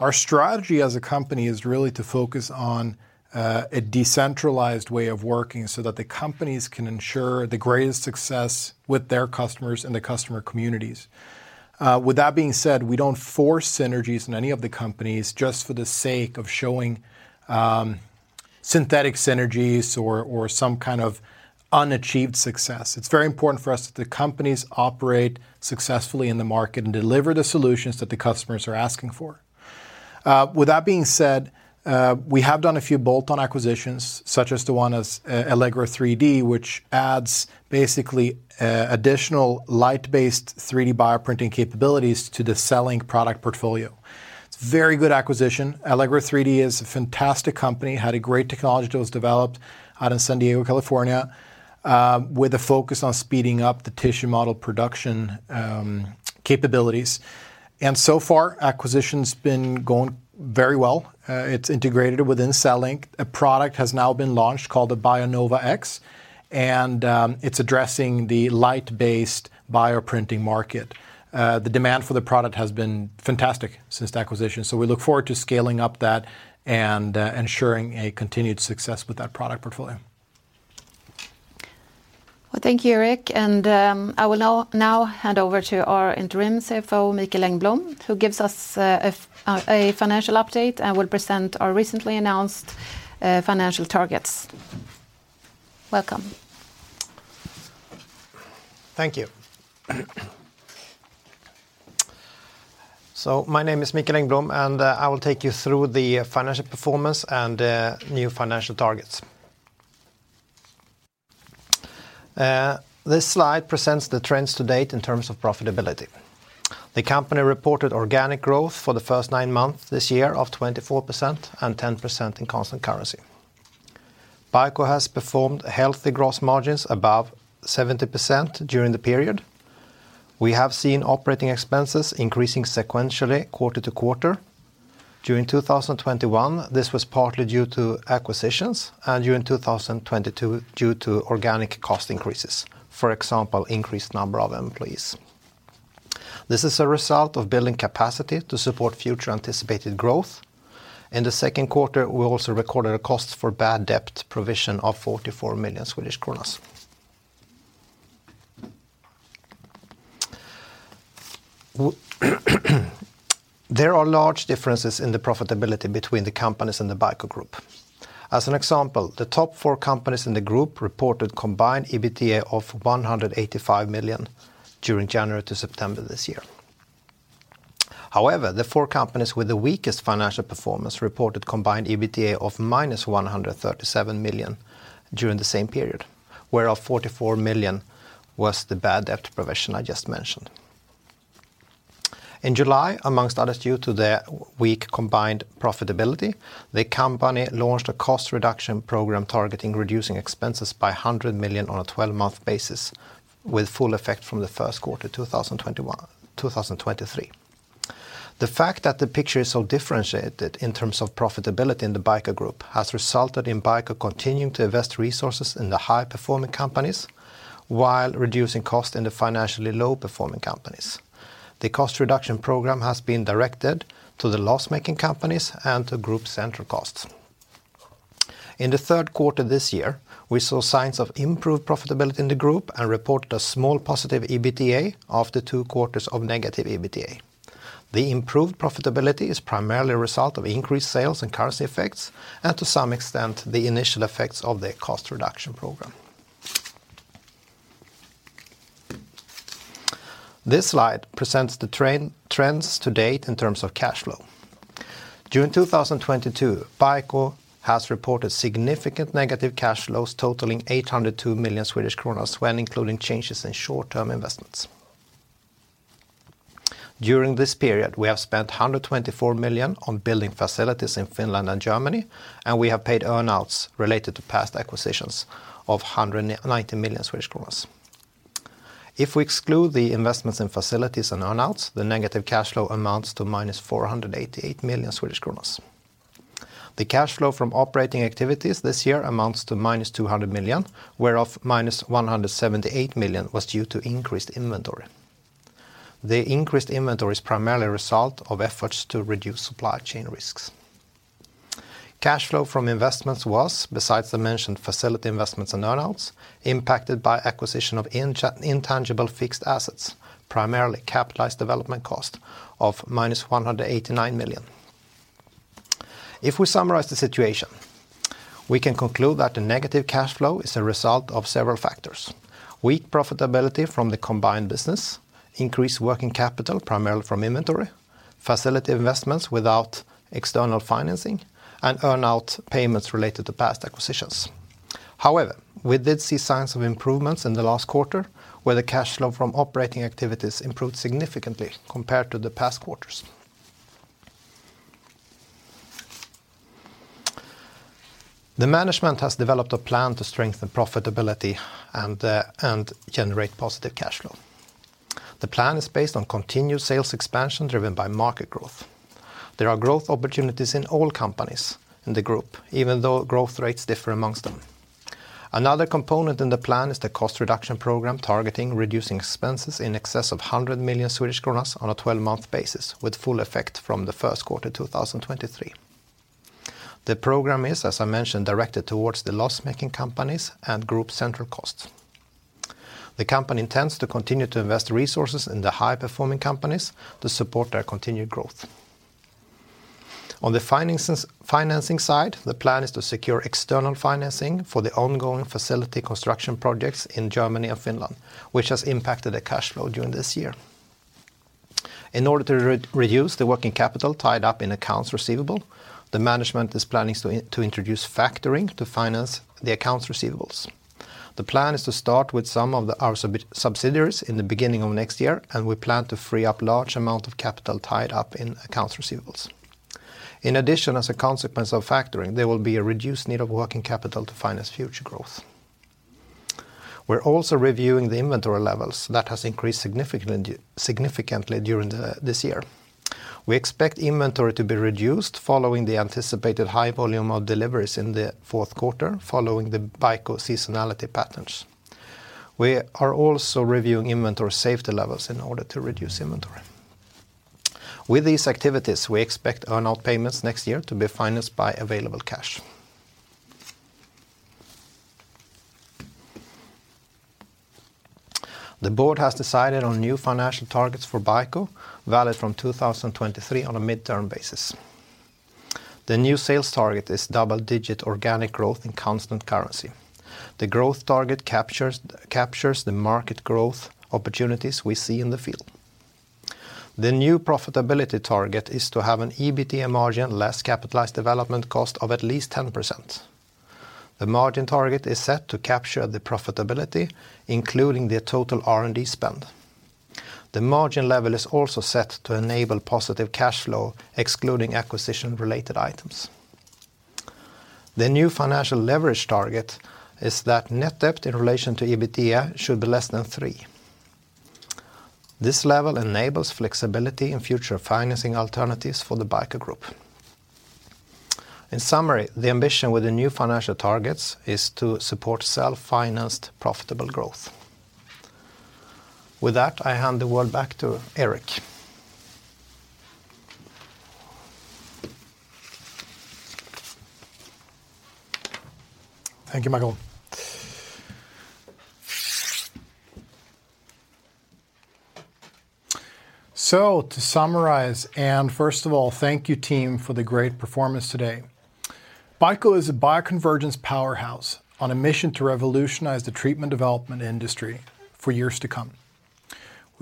S3: our strategy as a company is really to focus on a decentralized way of working so that the companies can ensure the greatest success with their customers and the customer communities. With that being said, we don't force synergies in any of the companies just for the sake of showing synthetic synergies or some kind of unachieved success. It's very important for us that the companies operate successfully in the market and deliver the solutions that the customers are asking for. With that being said, we have done a few bolt-on acquisitions such as the one Allegro 3D, which adds basically additional light-based 3D bioprinting capabilities to the selling product portfolio. It's very good acquisition. Allegro 3D is a fantastic company, had a great technology that was developed out in San Diego, California, with a focus on speeding up the tissue model production, capabilities. So far, acquisition's been going very well. It's integrated within CELLINK. A product has now been launched called the BIONOVA X, and it's addressing the light-based bioprinting market. The demand for the product has been fantastic since the acquisition. We look forward to scaling up that and ensuring a continued success with that product portfolio.
S2: Well, thank you, Erik, and I will now hand over to our Interim CFO, Mikael Engblom, who gives us a financial update and will present our recently announced financial targets. Welcome.
S8: Thank you. My name is Mikael Engblom, and I will take you through the financial performance and new financial targets. This slide presents the trends to date in terms of profitability. The company reported organic growth for the first nine months this year of 24% and 10% in constant currency. BICO has performed healthy gross margins above 70% during the period. We have seen operating expenses increasing sequentially quarter to quarter. During 2021, this was partly due to acquisitions, and during 2022, due to organic cost increases, for example, increased number of employees. This is a result of building capacity to support future anticipated growth. In the 2nd quarter, we also recorded a cost for bad debt provision of 44 million Swedish kronor. There are large differences in the profitability between the companies and the BICO Group. As an example, the top four companies in the group reported combined EBITDA of 185 million during January to September this year. However, the four companies with the weakest financial performance reported combined EBITDA of -137 million during the same period, whereof 44 million was the bad debt provision I just mentioned. In July, among others due to the weak combined profitability, the company launched a cost reduction program targeting reducing expenses by 100 million on a twelve-month basis with full effect from the 1st quarter 2021-2023. The fact that the picture is so differentiated in terms of profitability in the BICO Group has resulted in BICO continuing to invest resources in the high-performing companies while reducing cost in the financially low-performing companies. The cost reduction program has been directed to the loss-making companies and to group central costs. In the 3rd quarter this year, we saw signs of improved profitability in the group and reported a small positive EBITDA after 2 quarters of negative EBITDA. The improved profitability is primarily a result of increased sales and currency effects, and to some extent, the initial effects of the cost reduction program. This slide presents the trends to date in terms of cash flow. June 2022, BICO has reported significant negative cash flows totaling 802 million Swedish kronor when including changes in short-term investments. During this period, we have spent 124 million on building facilities in Finland and Germany, and we have paid earn-outs related to past acquisitions of 190 million Swedish kronor. If we exclude the investments in facilities and earn-outs, the negative cash flow amounts to -488 million. The cash flow from operating activities this year amounts to -200 million, whereof -178 million was due to increased inventory. The increased inventory is primarily a result of efforts to reduce supply chain risks. Cash flow from investments was, besides the mentioned facility investments and earn-outs, impacted by acquisition of intangible fixed assets, primarily capitalized development cost of -189 million. If we summarize the situation, we can conclude that the negative cash flow is a result of several factors, weak profitability from the combined business, increased working capital, primarily from inventory, facility investments without external financing, and earn-out payments related to past acquisitions. However, we did see signs of improvements in the last quarter, where the cash flow from operating activities improved significantly compared to the past quarters. The management has developed a plan to strengthen profitability and generate positive cash flow. The plan is based on continued sales expansion driven by market growth. There are growth opportunities in all companies in the group, even though growth rates differ among them. Another component in the plan is the cost reduction program targeting reducing expenses in excess of 100 million Swedish kronor on a twelve-month basis with full effect from the 1st quarter 2023. The program is, as I mentioned, directed towards the loss-making companies and group central costs. The company intends to continue to invest resources in the high-performing companies to support their continued growth. On the financing side, the plan is to secure external financing for the ongoing facility construction projects in Germany and Finland, which has impacted the cash flow during this year. In order to reduce the working capital tied up in accounts receivable, the management is planning to introduce factoring to finance the accounts receivables. The plan is to start with some of our subsidiaries in the beginning of next year, and we plan to free up large amount of capital tied up in accounts receivables. In addition, as a consequence of factoring, there will be a reduced need of working capital to finance future growth. We're also reviewing the inventory levels that has increased significantly during this year. We expect inventory to be reduced following the anticipated high volume of deliveries in the fourth quarter, following the BICO seasonality patterns. We are also reviewing inventory safety levels in order to reduce inventory. With these activities, we expect earn-out payments next year to be financed by available cash. The board has decided on new financial targets for BICO, valid from 2023 on a midterm basis. The new sales target is double-digit organic growth in constant currency. The growth target captures the market growth opportunities we see in the field. The new profitability target is to have an EBITDA margin less capitalized development cost of at least 10%. The margin target is set to capture the profitability, including the total R&D spend. The margin level is also set to enable positive cash flow, excluding acquisition-related items. The new financial leverage target is that net debt in relation to EBITDA should be less than 3. This level enables flexibility in future financing alternatives for the BICO Group. In summary, the ambition with the new financial targets is to support self-financed, profitable growth. With that, I hand the world back to Erik.
S3: Thank you, Mikael. To summarize, and first of all, thank you, team, for the great performance today. BICO is a bioconvergence powerhouse on a mission to revolutionize the treatment development industry for years to come.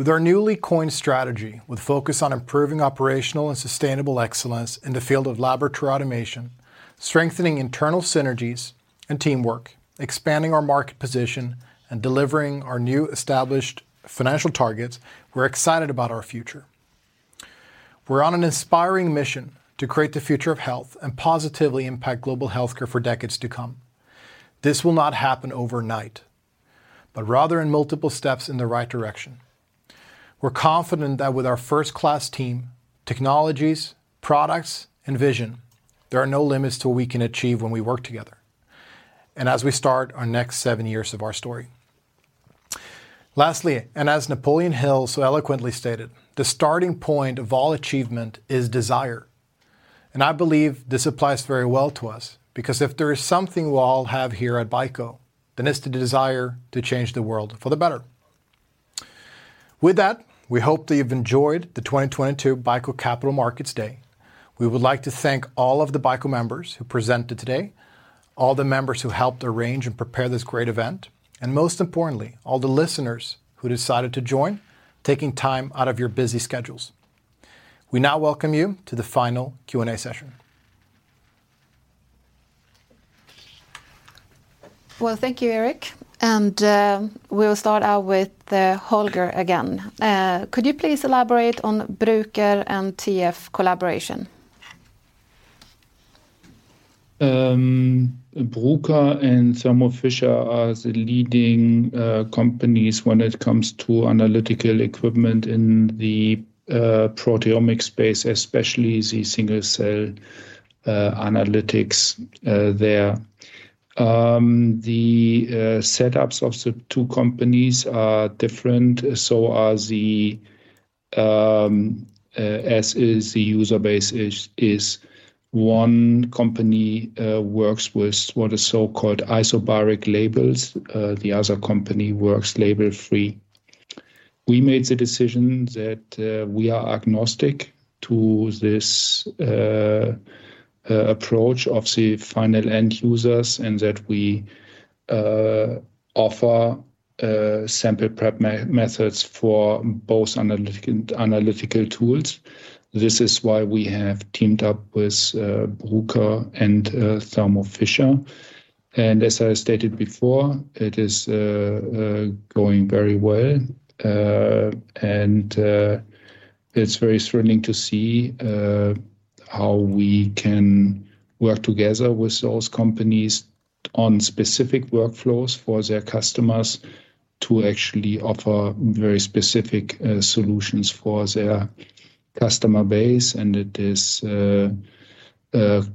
S3: With our newly coined strategy, with focus on improving operational and sustainable excellence in the field of laboratory automation, strengthening internal synergies and teamwork, expanding our market position, and delivering our new established financial targets, we're excited about our future. We're on an inspiring mission to create the future of health and positively impact global healthcare for decades to come. This will not happen overnight, but rather in multiple steps in the right direction. We're confident that with our first-class team, technologies, products, and vision, there are no limits to what we can achieve when we work together and as we start our next 7 years of our story. Lastly, as Napoleon Hill so eloquently stated, "The starting point of all achievement is desire. I believe this applies very well to us because if there is something we all have here at BICO, then it's the desire to change the world for the better. With that, we hope that you've enjoyed the 2022 BICO Capital Markets Day. We would like to thank all of the BICO members who presented today, all the members who helped arrange and prepare this great event, and most importantly, all the listeners who decided to join, taking time out of your busy schedules. We now welcome you to the final Q&A session.
S2: Well, thank you, Erik. We'll start out with Holger again. Could you please elaborate on Bruker and Tecan collaboration?
S6: Bruker and Thermo Fisher are the leading companies when it comes to analytical equipment in the proteomics space, especially the single-cell analytics there. The setups of the 2 companies are different, so are the user bases. One company works with what are so-called isobaric labels. The other company works label-free. We made the decision that we are agnostic to this approach of the final end users and that we offer sample prep methods for both analytical tools. This is why we have teamed up with Bruker and Thermo Fisher. As I stated before, it is going very well. It's very thrilling to see how we can work together with those companies on specific workflows for their customers to actually offer very specific solutions for their customer base. It is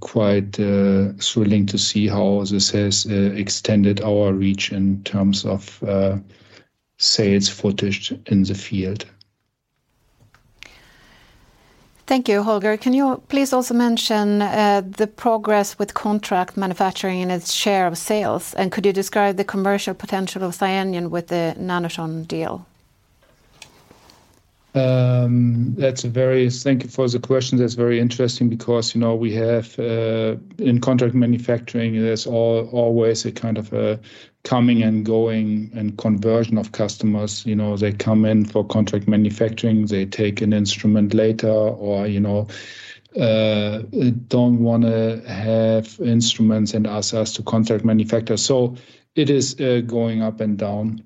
S6: quite thrilling to see how this has extended our reach in terms of sales footprint in the field.
S2: Thank you, Holger. Can you please also mention the progress with contract manufacturing and its share of sales? Could you describe the commercial potential of Scienion with the CYTENA deal?
S6: Thank you for the question. That's very interesting because, you know, we have, in contract manufacturing, there's always a kind of a coming and going and conversion of customers. You know, they come in for contract manufacturing, they take an instrument later or, you know, don't wanna have instruments and ask us to contract manufacture. So it is going up and down.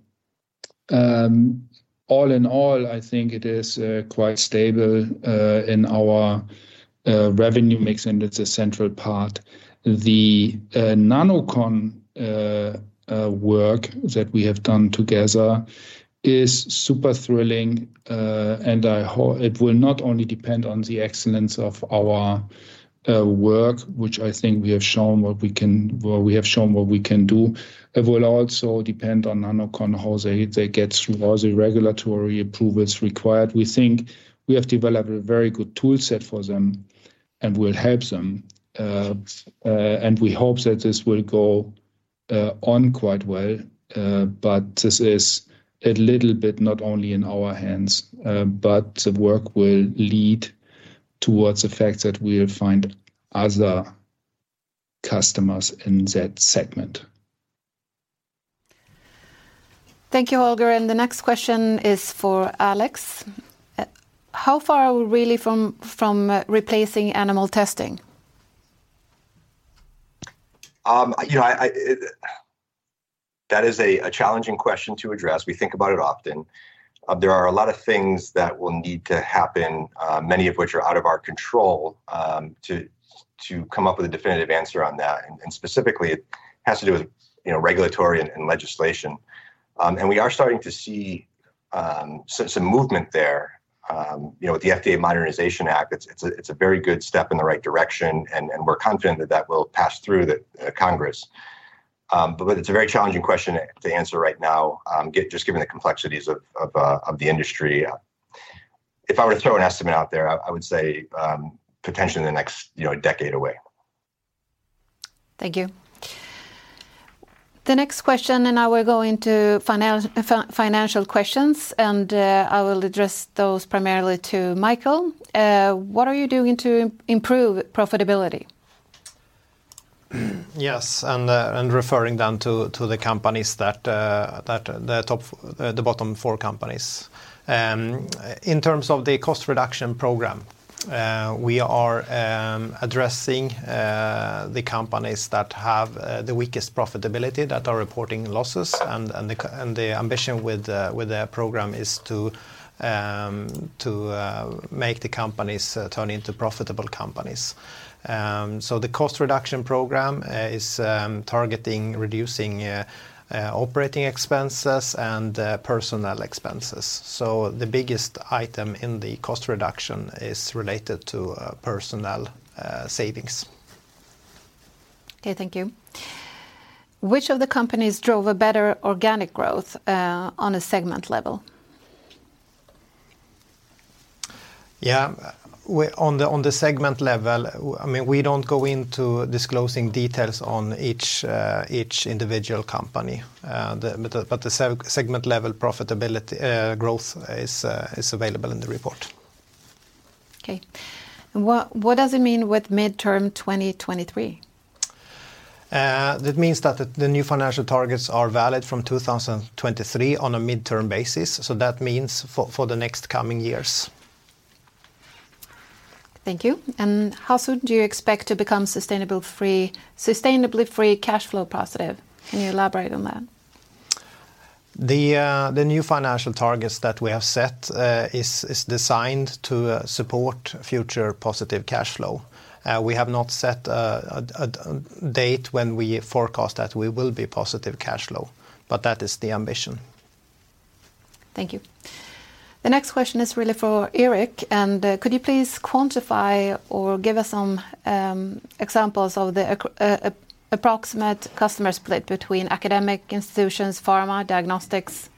S6: All in all, I think it is quite stable in our revenue mix, and it's a central part. The Nanochon work that we have done together is super thrilling. It will not only depend on the excellence of our work, which I think we have shown what we can do. It will also depend on Nanochon, how they get through all the regulatory approvals required. We think we have developed a very good tool set for them and will help them. We hope that this will go on quite well. This is a little bit not only in our hands, but the work will lead towards the fact that we'll find other customers in that segment.
S2: Thank you, Holger Eickhoff. The next question is for Alex Armento. How far are we really from replacing animal testing?
S7: You know, that is a challenging question to address. We think about it often. There are a lot of things that will need to happen, many of which are out of our control, to come up with a definitive answer on that. Specifically, it has to do with, you know, regulatory and legislation. We are starting to see some movement there, you know, with the FDA Modernization Act. It's a very good step in the right direction, and we're confident that that will pass through the Congress. It's a very challenging question to answer right now, just given the complexities of the industry. If I were to throw an estimate out there, I would say potentially in the next, you know, decade away.
S2: Thank you. The next question. Now we're going to financial questions. I will address those primarily to Mikael. What are you doing to improve profitability?
S8: Referring then to the bottom four companies. In terms of the cost reduction program, we are addressing the companies that have the weakest profitability, that are reporting losses, and the ambition with the program is to make the companies turn into profitable companies. The cost reduction program is targeting reducing operating expenses and personnel expenses. The biggest item in the cost reduction is related to personnel savings.
S2: Okay, thank you. Which of the companies drove a better organic growth on a segment level?
S8: Yeah, on the segment level, I mean, we don't go into disclosing details on each individual company. The segment level profitability, growth is available in the report.
S2: Okay. What does it mean with midterm 2023?
S8: It means that the new financial targets are valid from 2023 on a midterm basis, so that means for the next coming years.
S2: Thank you. How soon do you expect to become sustainably free cash flow positive? Can you elaborate on that?
S8: The new financial targets that we have set is designed to support future positive cash flow. We have not set a date when we forecast that we will be positive cash flow, but that is the ambition.
S2: Thank you. The next question is really for Erik, and could you please quantify or give us some examples of the approximate customer split between academic institutions, pharma, diagnostics?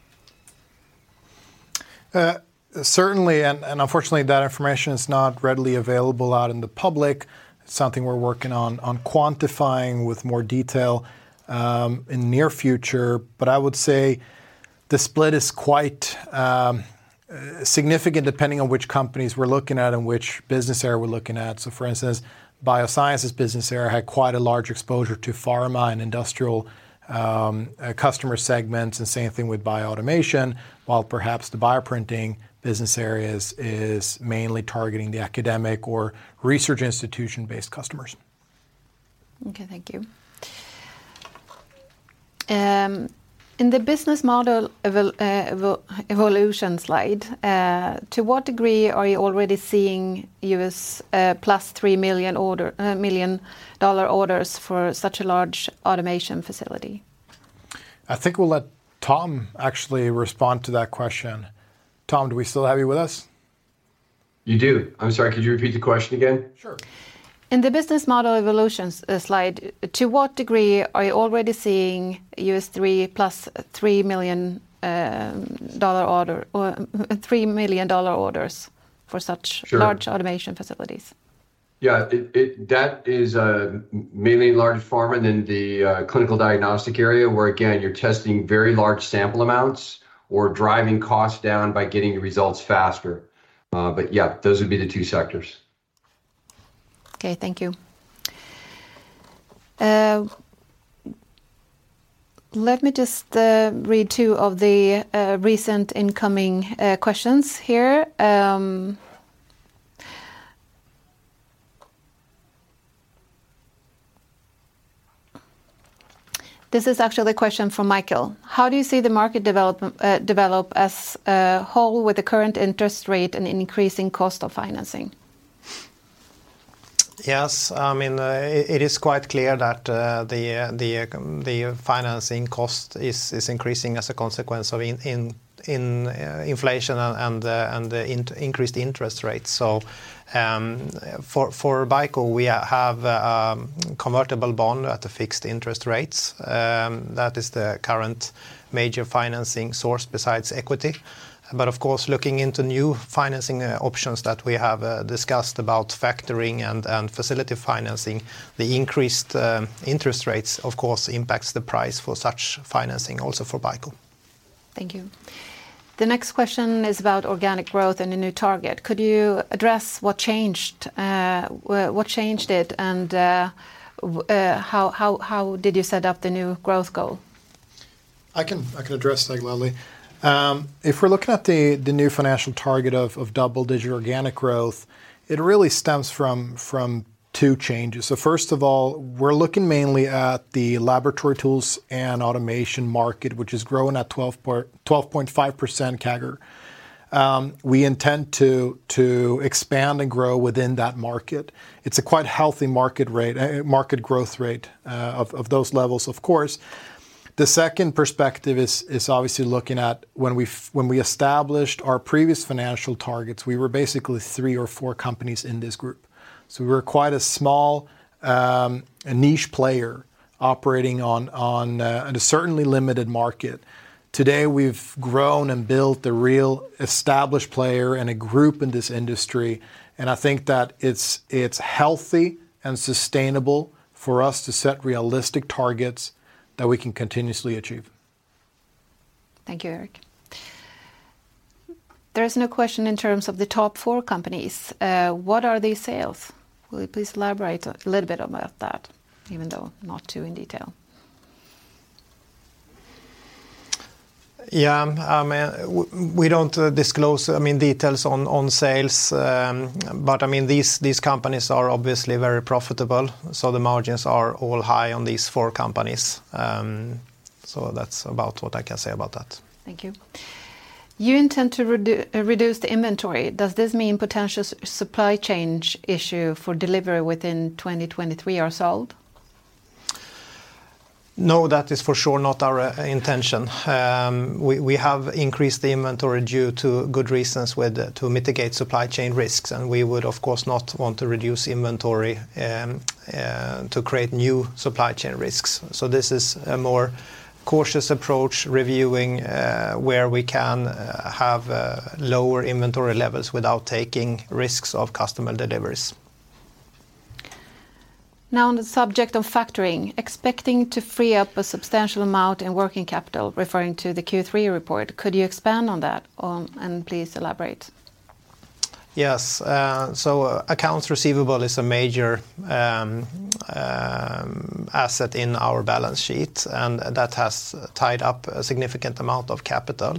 S3: Certainly, unfortunately that information is not readily available out in the public. Something we're working on quantifying with more detail in near future. I would say the split is quite significant depending on which companies we're looking at and which business area we're looking at. For instance, Biosciences business area had quite a large exposure to pharma and industrial customer segments, and same thing with Bioautomation, while perhaps the Bioprinting business areas is mainly targeting the academic or research institution-based customers.
S2: Okay, thank you. In the business model evolution slide, to what degree are you already seeing U.S. $3 million-dollar orders for such a large automation facility?
S3: I think we'll let Tom actually respond to that question. Tom, do we still have you with us?
S5: You do. I'm sorry, could you repeat the question again?
S3: Sure.
S2: In the business model evolutions slide, to what degree are you already seeing U.S. $3+3 million-dollar order, or $3 million-dollar orders for such-
S5: Sure
S2: large automation facilities?
S5: Yeah, it is mainly large pharma and the clinical diagnostic area where, again, you're testing very large sample amounts or driving costs down by getting your results faster. Yeah, those would be the two sectors.
S2: Okay, thank you. Let me just read 2 of the recent incoming questions here. This is actually a question from Mikael. How do you see the market develop as a whole with the current interest rate and increasing cost of financing?
S8: Yes, I mean, it is quite clear that the financing cost is increasing as a consequence of inflation and the increased interest rates. For BICO we have convertible bond at the fixed interest rates. That is the current major financing source besides equity. Of course, looking into new financing options that we have discussed about factoring and facility financing, the increased interest rates of course impacts the price for such financing also for BICO.
S2: Thank you. The next question is about organic growth and a new target. Could you address what changed it and how did you set up the new growth goal?
S3: I can address that, Åsa Hillsten. If we're looking at the new financial target of double digit organic growth, it really stems from two changes. First of all, we're looking mainly at the laboratory tools and automation market, which is growing at 12%-12.5% CAGR. We intend to expand and grow within that market. It's a quite healthy market growth rate of those levels, of course. The second perspective is obviously looking at when we established our previous financial targets, we were basically three or four companies in this group. We were quite a small niche player operating in a certainly limited market. Today, we've grown and built a real established player and a group in this industry, and I think that it's healthy and sustainable for us to set realistic targets that we can continuously achieve.
S2: Thank you, Erik. There is a new question in terms of the top four companies. What are these sales? Will you please elaborate a little bit about that, even though not too in detail?
S8: Yeah. I mean, we don't disclose details on sales. I mean these companies are obviously very profitable, so the margins are all high on these four companies. That's about what I can say about that.
S2: Thank you. You intend to reduce the inventory. Does this mean potential supply chain issue for delivery within 2023 are solved?
S8: No, that is for sure not our intention. We have increased the inventory due to good reasons to mitigate supply chain risks, and we would, of course, not want to reduce inventory to create new supply chain risks. This is a more cautious approach, reviewing where we can have lower inventory levels without taking risks of customer deliveries.
S2: Now, on the subject of factoring, expecting to free up a substantial amount in working capital, referring to the Q3 report, could you expand on that, and please elaborate?
S8: Yes. Accounts receivable is a major asset in our balance sheet, and that has tied up a significant amount of capital.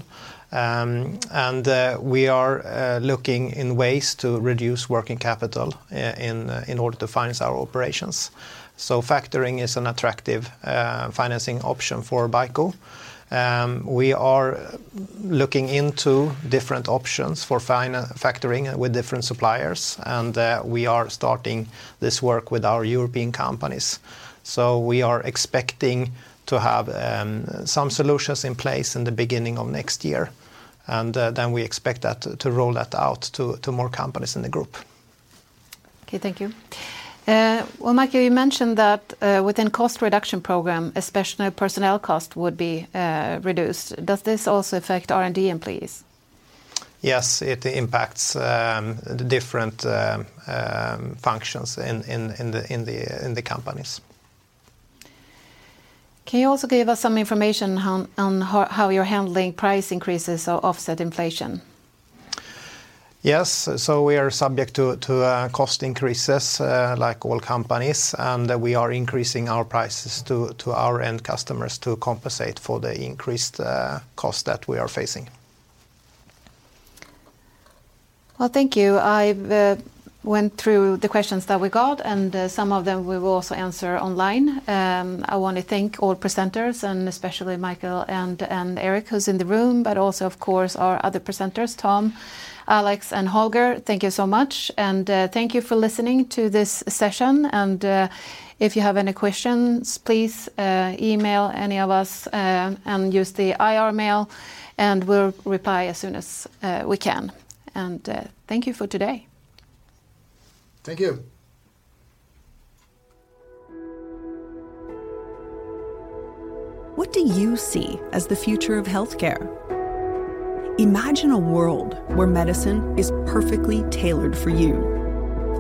S8: We are looking into ways to reduce working capital in order to finance our operations. Factoring is an attractive financing option for BICO. We are looking into different options for factoring with different suppliers, and we are starting this work with our European companies. We are expecting to have some solutions in place in the beginning of next year, and then we expect that to roll that out to more companies in the group.
S2: Okay, thank you. Well, Mikael, you mentioned that within cost reduction program, especially personnel cost would be reduced. Does this also affect R&D employees?
S8: Yes. It impacts the different functions in the companies.
S2: Can you also give us some information on how you're handling price increases or offset inflation?
S8: Yes. We are subject to cost increases like all companies, and we are increasing our prices to our end customers to compensate for the increased cost that we are facing.
S2: Well, thank you. I've went through the questions that we got, and some of them we will also answer online. I want to thank all presenters, and especially Mikael and Erik who's in the room, but also, of course, our other presenters, Tom, Alex, and Holger. Thank you so much, and thank you for listening to this session. If you have any questions, please email any of us, and use the IR email, and we'll reply as soon as we can. Thank you for today.
S3: Thank you.
S1: What do you see as the future of healthcare? Imagine a world where medicine is perfectly tailored for you,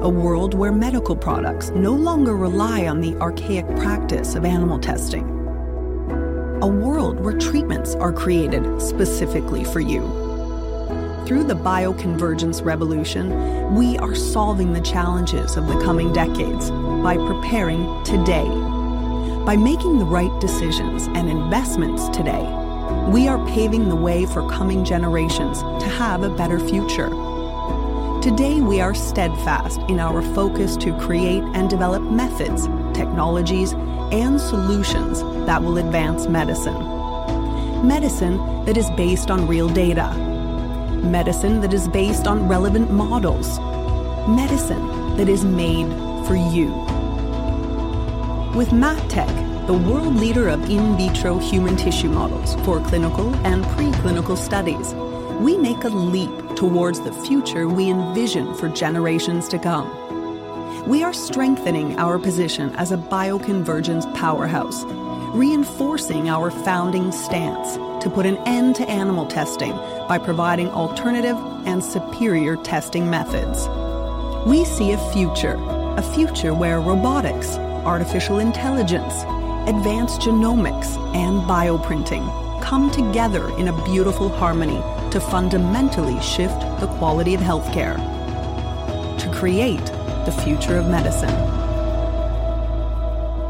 S1: a world where medical products no longer rely on the archaic practice of animal testing, a world where treatments are created specifically for you. Through the bioconvergence revolution, we are solving the challenges of the coming decades by preparing today. By making the right decisions and investments today, we are paving the way for coming generations to have a better future. Today, we are steadfast in our focus to create and develop methods, technologies, and solutions that will advance medicine that is based on real data, medicine that is based on relevant models, medicine that is made for you. With MatTek, the world leader of in vitro human tissue models for clinical and preclinical studies, we make a leap towards the future we envision for generations to come. We are strengthening our position as a bioconvergence powerhouse, reinforcing our founding stance to put an end to animal testing by providing alternative and superior testing methods. We see a future, a future where robotics, artificial intelligence, advanced genomics, and bioprinting come together in a beautiful harmony to fundamentally shift the quality of healthcare to create the future of medicine.